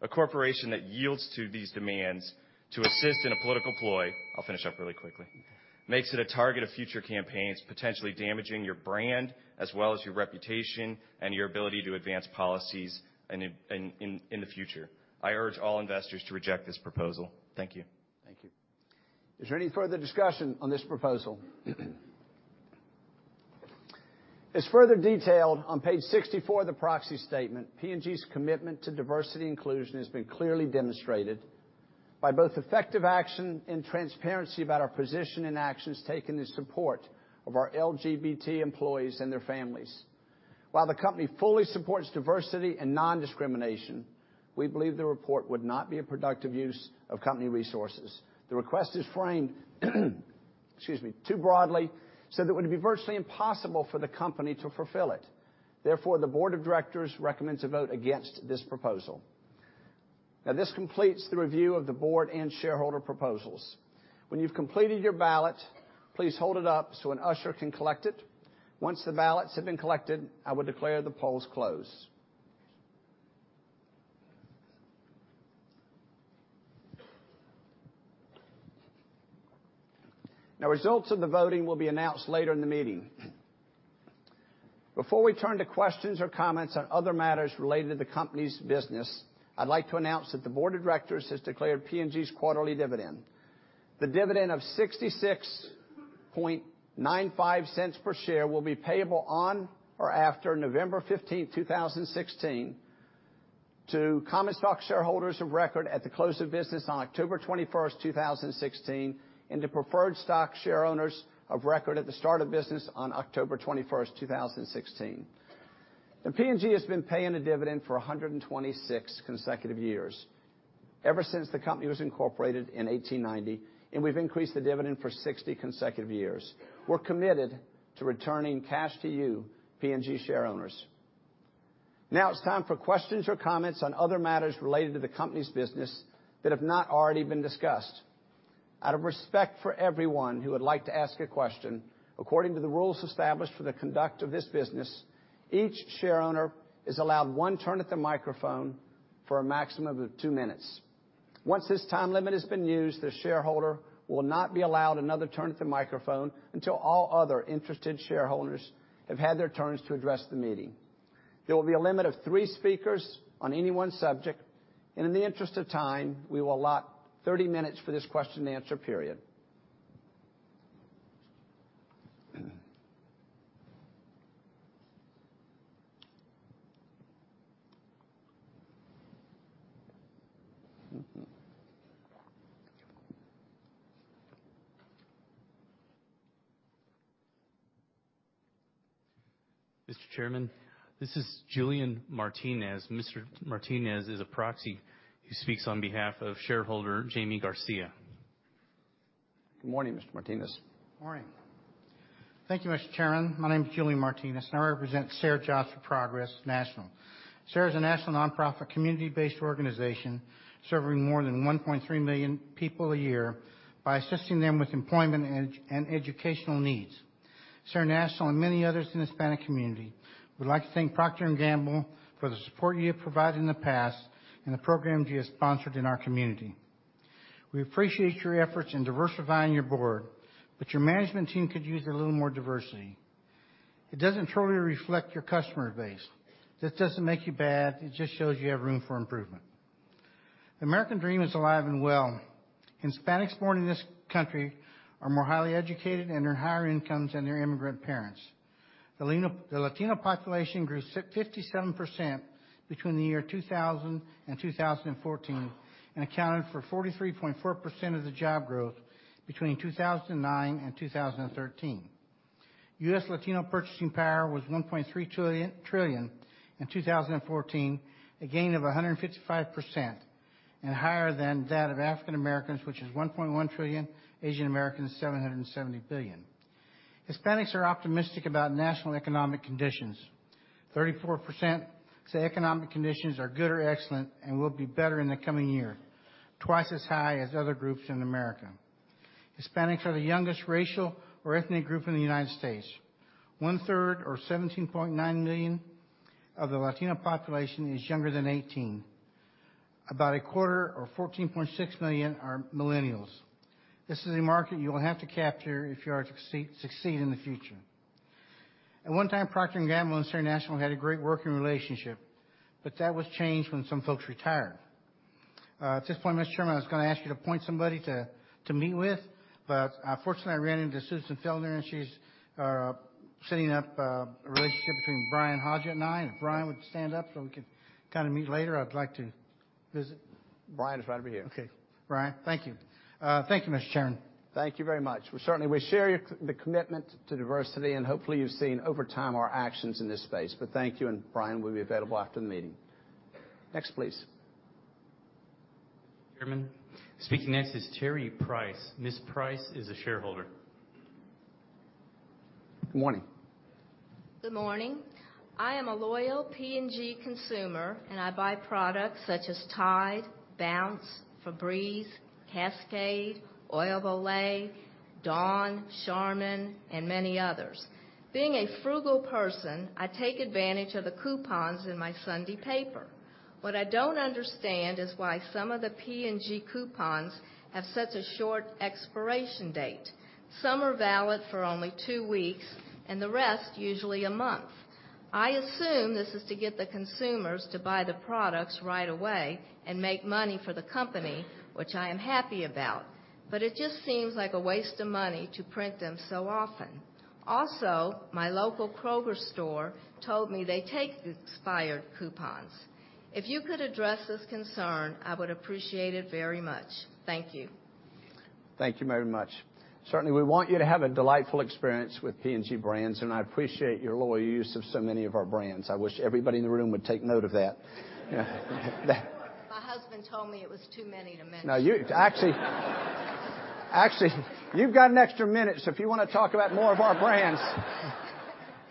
A corporation that yields to these demands to assist in a political ploy, I'll finish up really quickly Okay makes it a target of future campaigns, potentially damaging your brand as well as your reputation and your ability to advance policies in the future. I urge all investors to reject this proposal. Thank you. Is there any further discussion on this proposal? As further detailed on page 64 of the proxy statement, P&G's commitment to diversity inclusion has been clearly demonstrated by both effective action and transparency about our position and actions taken in support of our LGBT employees and their families. While the company fully supports diversity and non-discrimination, we believe the report would not be a productive use of company resources. The request is framed excuse me, too broadly, so that it would be virtually impossible for the company to fulfill it. Therefore, the Board of Directors recommends a vote against this proposal. This completes the review of the board and shareholder proposals. When you've completed your ballot, please hold it up so an usher can collect it. Once the ballots have been collected, I will declare the polls closed. Results of the voting will be announced later in the meeting. Before we turn to questions or comments on other matters related to The Procter & Gamble Company's business, I'd like to announce that the board of directors has declared P&G's quarterly dividend. The dividend of $0.6695 per share will be payable on or after November 15th, 2016, to common stock shareholders of record at the close of business on October 21st, 2016, and to preferred stock share owners of record at the start of business on October 21st, 2016. P&G has been paying a dividend for 126 consecutive years, ever since the company was incorporated in 1890, and we've increased the dividend for 60 consecutive years. We're committed to returning cash to you, P&G share owners. It's time for questions or comments on other matters related to The Procter & Gamble Company's business that have not already been discussed. Out of respect for everyone who would like to ask a question, according to the rules established for the conduct of this business, each share owner is allowed one turn at the microphone for a maximum of two minutes. Once this time limit has been used, the shareholder will not be allowed another turn at the microphone until all other interested shareholders have had their turns to address the meeting. There will be a limit of three speakers on any one subject, and in the interest of time, we will allot 30 minutes for this question and answer period. Mr. Chairman, this is Julian Martinez. Mr. Martinez is a proxy who speaks on behalf of shareholder Jamie Garcia. Good morning, Mr. Martinez. Morning. Thank you, Mr. Chairman. My name is Julian Martinez, and I represent SER Jobs for Progress National. SER is a national nonprofit community-based organization serving more than 1.3 million people a year by assisting them with employment and educational needs. SER National and many others in the Hispanic community would like to thank Procter & Gamble for the support you have provided in the past and the programs you have sponsored in our community. We appreciate your efforts in diversifying your board, but your management team could use a little more diversity. It doesn't truly reflect your customer base. That doesn't make you bad. It just shows you have room for improvement. The American dream is alive and well. Hispanics born in this country are more highly educated and earn higher incomes than their immigrant parents. The Latino population grew 57% between the year 2000 and 2014 and accounted for 43.4% of the job growth between 2009 and 2013. U.S. Latino purchasing power was $1.3 trillion in 2014, a gain of 155% and higher than that of African Americans, which is $1.1 trillion, Asian Americans, $770 billion. Hispanics are optimistic about national economic conditions. 34% say economic conditions are good or excellent and will be better in the coming year, twice as high as other groups in America. Hispanics are the youngest racial or ethnic group in the United States. One third, or 17.9 million of the Latino population is younger than 18. About a quarter, or 14.6 million are millennials. This is a market you will have to capture if you are to succeed in the future. At one time, Procter & Gamble and SER National had a great working relationship, but that was changed when some folks retired. At this point, Mr. Chairman, I was going to ask you to point somebody to meet with, but, fortunately, I ran into Susan Fellner, and she's setting up a relationship between Brian Hodgett and I. If Brian would stand up so we could kind of meet later, I'd like to visit. Brian is right over here. Okay. Brian. Thank you. Thank you, Mr. Chairman. Thank you very much. Well, certainly, we share your commitment to diversity, hopefully, you've seen over time our actions in this space. Thank you, Brian will be available after the meeting. Next, please. Chairman. Speaking next is Terry Price. Ms. Price is a shareholder. Good morning. Good morning. I am a loyal P&G consumer, and I buy products such as Tide, Bounce, Febreze, Cascade, Oil of Olay, Dawn, Charmin, and many others. Being a frugal person, I take advantage of the coupons in my Sunday paper. What I don't understand is why some of the P&G coupons have such a short expiration date. Some are valid for only two weeks, and the rest, usually a month. I assume this is to get the consumers to buy the products right away and make money for the company, which I am happy about, but it just seems like a waste of money to print them so often. Also, my local Kroger store told me they take expired coupons. If you could address this concern, I would appreciate it very much. Thank you. Thank you very much. Certainly, we want you to have a delightful experience with P&G brands, and I appreciate your loyal use of so many of our brands. I wish everybody in the room would take note of that. My husband told me it was too many to mention. No, actually. Actually, you've got an extra minute, so if you want to talk about more of our brands,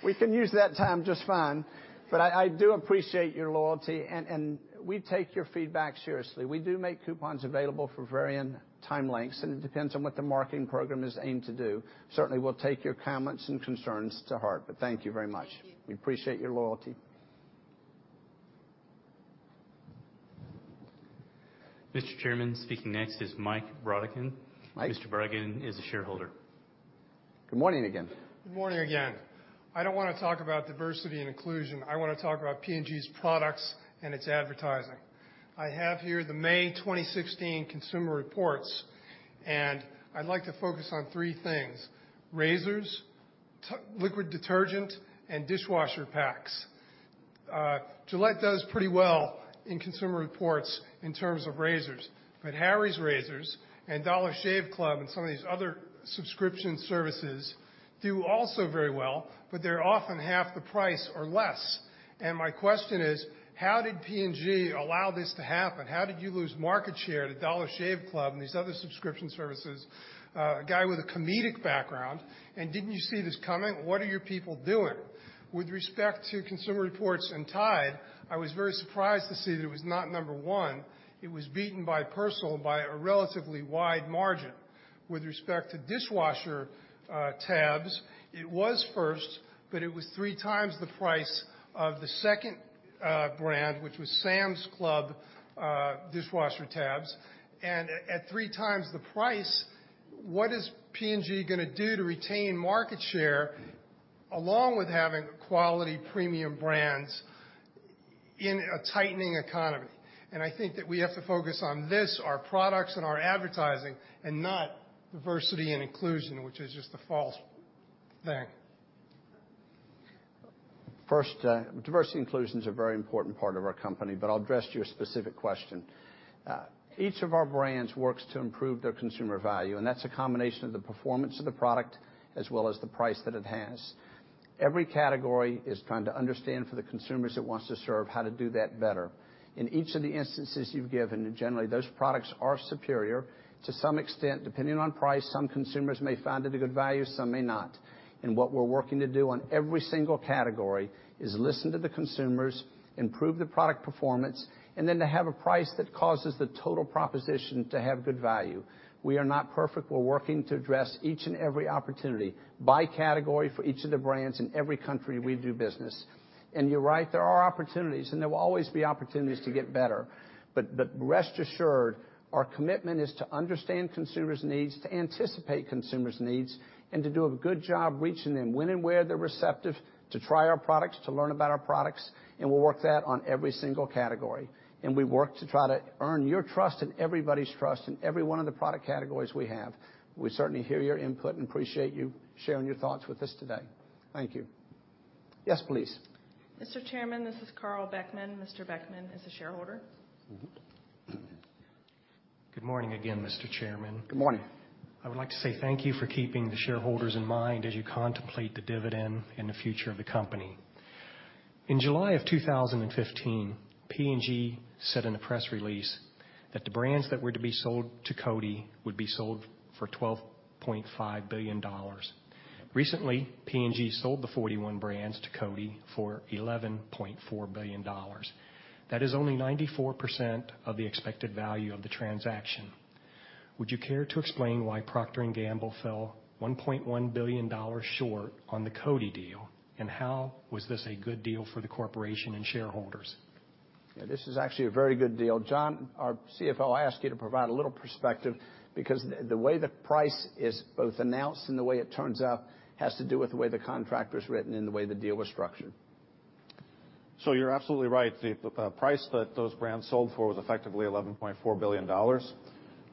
we can use that time just fine. I do appreciate your loyalty, and we take your feedback seriously. We do make coupons available for varying time lengths, and it depends on what the marketing program is aimed to do. Certainly, we'll take your comments and concerns to heart, but thank you very much. Thank you. We appreciate your loyalty. Mr. Chairman, speaking next is Mike Brodigan. Mike. Mr. Brodigan is a shareholder. Good morning again. Good morning again. I don't want to talk about diversity and inclusion. I want to talk about P&G's products and its advertising. I have here the May 2016 Consumer Reports, I'd like to focus on three things: razors, liquid detergent, and dishwasher packs. Gillette does pretty well in Consumer Reports in terms of razors, but Harry's Razors and Dollar Shave Club and some of these other subscription services do also very well, but they're often half the price or less. My question is, how did P&G allow this to happen? How did you lose market share to Dollar Shave Club and these other subscription services, a guy with a comedic background, didn't you see this coming? What are your people doing? With respect to Consumer Reports and Tide, I was very surprised to see that it was not number one. It was beaten by Persil by a relatively wide margin. With respect to dishwasher tabs, it was first, but it was three times the price of the second brand, which was Sam's Club dishwasher tabs. At three times the price, what is P&G going to do to retain market share, along with having quality premium brands in a tightening economy? I think that we have to focus on this, our products and our advertising, not diversity and inclusion, which is just a false thing. First, diversity and inclusion's a very important part of our company, I'll address your specific question. Each of our brands works to improve their consumer value, that's a combination of the performance of the product as well as the price that it has. Every category is trying to understand for the consumers it wants to serve how to do that better. In each of the instances you've given, generally, those products are superior. To some extent, depending on price, some consumers may find it a good value, some may not. What we're working to do on every single category is listen to the consumers, improve the product performance, then to have a price that causes the total proposition to have good value. We are not perfect. We're working to address each and every opportunity by category for each of the brands in every country we do business. You're right, there are opportunities, and there will always be opportunities to get better. Rest assured, our commitment is to understand consumers' needs, to anticipate consumers' needs, and to do a good job reaching them when and where they're receptive to try our products, to learn about our products, and we'll work that on every single category. We work to try to earn your trust and everybody's trust in every one of the product categories we have. We certainly hear your input and appreciate you sharing your thoughts with us today. Thank you. Yes, please. Mr. Chairman, this is Carl Beckman. Mr. Beckman is a shareholder. Good morning again, Mr. Chairman. Good morning. I would like to say thank you for keeping the shareholders in mind as you contemplate the dividend and the future of the company. In July of 2015, P&G said in a press release that the brands that were to be sold to Coty would be sold for $12.5 billion. Recently, P&G sold the 41 brands to Coty for $11.4 billion. That is only 94% of the expected value of the transaction. Would you care to explain why The Procter & Gamble Company fell $1.1 billion short on the Coty deal, and how was this a good deal for the corporation and shareholders? Yeah, this is actually a very good deal. Jon, our CFO, I ask you to provide a little perspective because the way the price is both announced and the way it turns out has to do with the way the contract was written and the way the deal was structured. You're absolutely right. The price that those brands sold for was effectively $11.4 billion.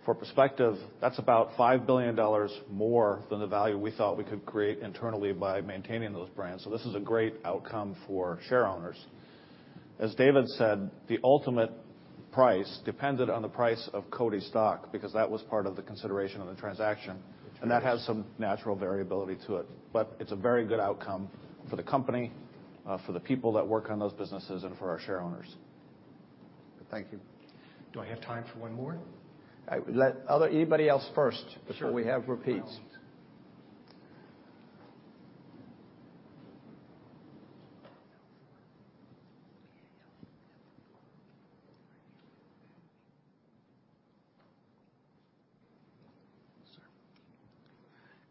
For perspective, that's about $5 billion more than the value we thought we could create internally by maintaining those brands. This is a great outcome for share owners. As David said, the ultimate price depended on the price of Coty stock because that was part of the consideration of the transaction. That has some natural variability to it. It's a very good outcome for the company, for the people that work on those businesses, and for our share owners. Thank you. Do I have time for one more? Let anybody else first Sure before we have repeats.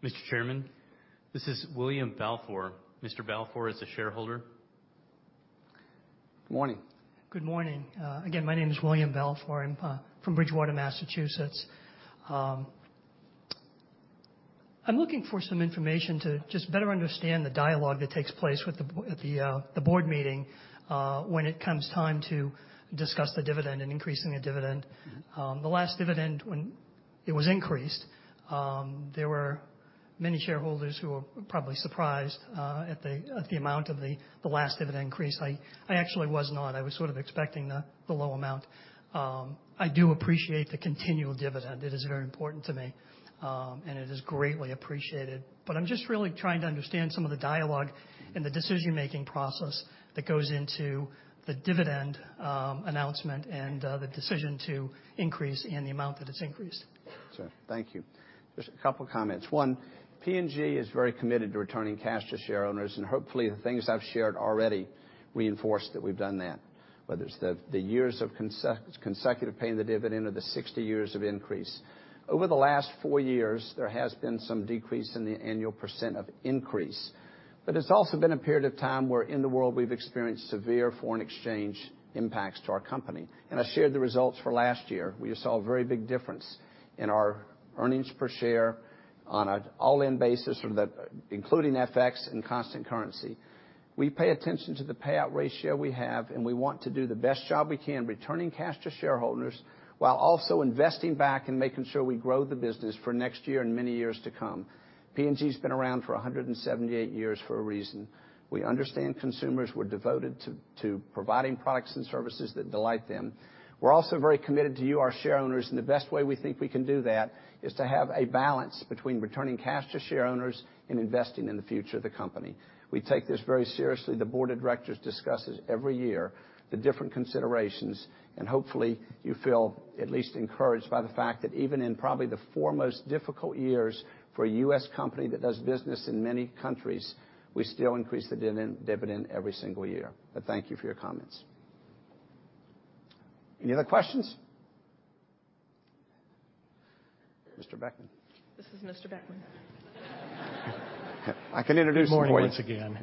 Mr. Chairman, this is William Balfour. Mr. Balfour is a shareholder. Good morning. Good morning. Again, my name is William Balfour. I'm from Bridgewater, Massachusetts. I'm looking for some information to just better understand the dialogue that takes place at the board meeting when it comes time to discuss the dividend and increasing the dividend. The last dividend, when it was increased, there were many shareholders who were probably surprised at the amount of the last dividend increase. I actually was not. I was sort of expecting the low amount. I do appreciate the continual dividend. It is very important to me, and it is greatly appreciated. I'm just really trying to understand some of the dialogue in the decision-making process that goes into the dividend announcement and the decision to increase and the amount that it's increased. Sure. Thank you. Just a couple comments. One, P&G is very committed to returning cash to shareowners, and hopefully the things I've shared already reinforce that we've done that, whether it's the years of consecutive paying the dividend or the 60 years of increase. Over the last 4 years, there has been some decrease in the annual % of increase, it's also been a period of time where in the world we've experienced severe foreign exchange impacts to our company. I shared the results for last year. We saw a very big difference in our earnings per share on an all-in basis from including FX and constant currency. We pay attention to the payout ratio we have, and we want to do the best job we can returning cash to shareholders while also investing back and making sure we grow the business for next year and many years to come. P&G's been around for 178 years for a reason. We understand consumers. We're devoted to providing products and services that delight them. We're also very committed to you, our shareowners, and the best way we think we can do that is to have a balance between returning cash to shareowners and investing in the future of the company. We take this very seriously. The board of directors discusses every year the different considerations, and hopefully you feel at least encouraged by the fact that even in probably the four most difficult years for a U.S. company that does business in many countries, we still increase the dividend every single year. Thank you for your comments. Any other questions? Mr. Beckman. This is Mr. Beckman. I can introduce you Good morning once again.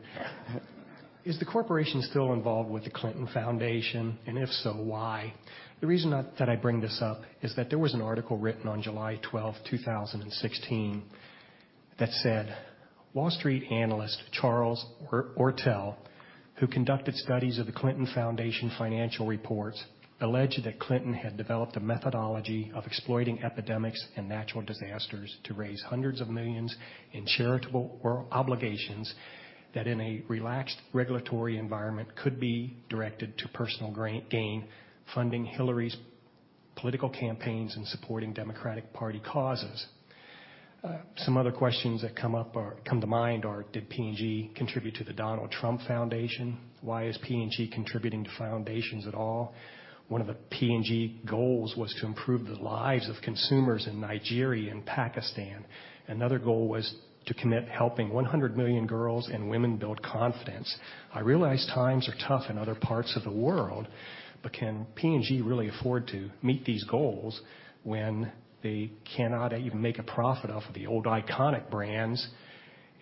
Is the corporation still involved with the Clinton Foundation? If so, why? The reason that I bring this up is that there was an article written on July 12th, 2016, that said, "Wall Street analyst Charles Ortel, who conducted studies of the Clinton Foundation financial reports, alleged that Clinton had developed a methodology of exploiting epidemics and natural disasters to raise hundreds of millions in charitable obligations that in a relaxed regulatory environment could be directed to personal gain, funding Hillary's political campaigns and supporting Democratic Party causes." Some other questions that come to mind are, did P&G contribute to the Donald Trump Foundation? Why is P&G contributing to foundations at all? One of the P&G goals was to improve the lives of consumers in Nigeria and Pakistan. Another goal was to commit helping 100 million girls and women build confidence. I realize times are tough in other parts of the world, but can P&G really afford to meet these goals when they cannot even make a profit off of the old iconic brands?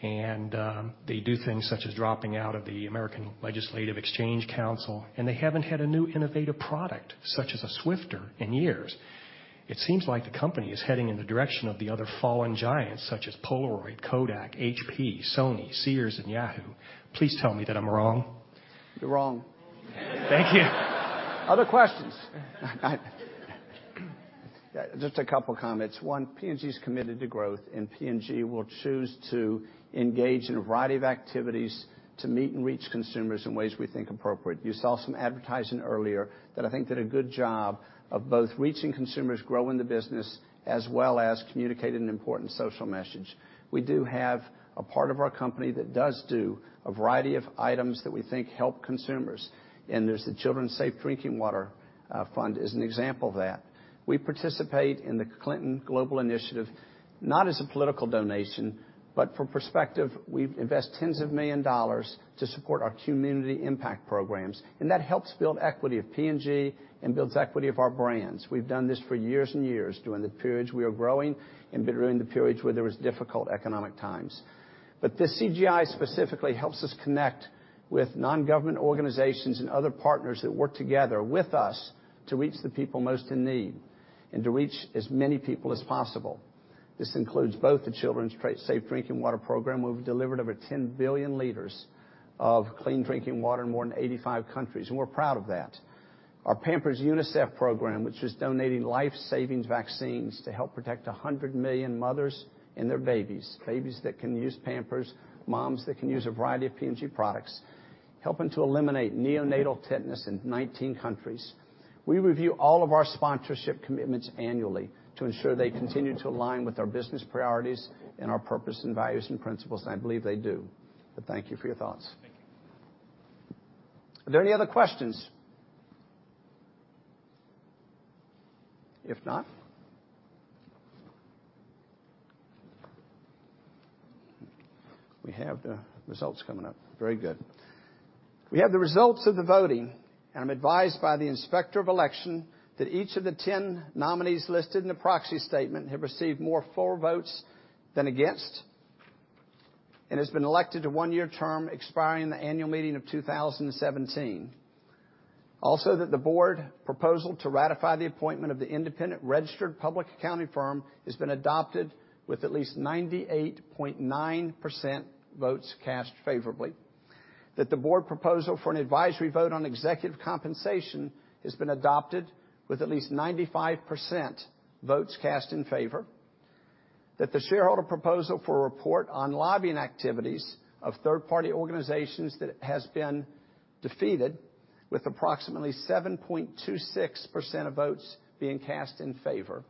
They do things such as dropping out of the American Legislative Exchange Council, and they haven't had a new innovative product such as a Swiffer in years. It seems like the company is heading in the direction of the other fallen giants, such as Polaroid, Kodak, HP, Sony, Sears, and Yahoo. Please tell me that I'm wrong. You're wrong. Thank you. Other questions? Yeah, just a couple of comments. One, P&G's committed to growth. P&G will choose to engage in a variety of activities to meet and reach consumers in ways we think appropriate. You saw some advertising earlier that I think did a good job of both reaching consumers, growing the business, as well as communicating an important social message. We do have a part of our company that does do a variety of items that we think help consumers. There's the Children's Safe Drinking Water Fund is an example of that. We participate in the Clinton Global Initiative, not as a political donation, but for perspective, we invest tens of million dollars to support our community impact programs. That helps build equity of P&G and builds equity of our brands. We've done this for years and years during the periods we are growing and during the periods where there was difficult economic times. The CGI specifically helps us connect with non-government organizations and other partners that work together with us to reach the people most in need and to reach as many people as possible. This includes both the Children's Safe Drinking Water program. We've delivered over 10 billion liters of clean drinking water in more than 85 countries. We're proud of that. Our Pampers UNICEF program, which is donating life-saving vaccines to help protect 100 million mothers and their babies that can use Pampers, moms that can use a variety of P&G products, helping to eliminate neonatal tetanus in 19 countries. We review all of our sponsorship commitments annually to ensure they continue to align with our business priorities and our purpose and values and principles. I believe they do. Thank you for your thoughts. Thank you. Are there any other questions? If not, we have the results coming up. Very good. We have the results of the voting, and I'm advised by the Inspector of Elections that each of the 10 nominees listed in the proxy statement have received more for votes than against and has been elected to one-year term expiring the annual meeting of 2017. Also, that the board proposal to ratify the appointment of the independent registered public accounting firm has been adopted with at least 98.9% votes cast favorably. That the board proposal for an advisory vote on executive compensation has been adopted with at least 95% votes cast in favor. That the shareholder proposal for a report on lobbying activities of third-party organizations that has been defeated with approximately 7.26% of votes being cast in favor.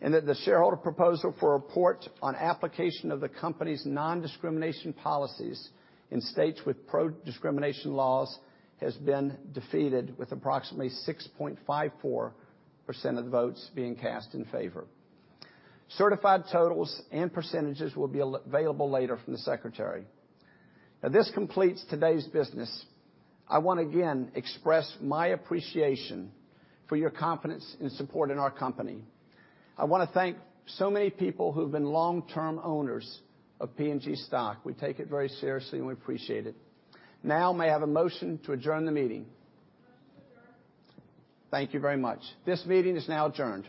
That the shareholder proposal for a report on application of the company's non-discrimination policies in states with pro-discrimination laws has been defeated with approximately 6.54% of the votes being cast in favor. Certified totals and percentages will be available later from the secretary. Now, this completes today's business. I want to again express my appreciation for your confidence and support in our company. I wanna thank so many people who've been long-term owners of P&G stock. We take it very seriously, and we appreciate it. Now, may I have a motion to adjourn the meeting? Motion to adjourn. Thank you very much. This meeting is now adjourned.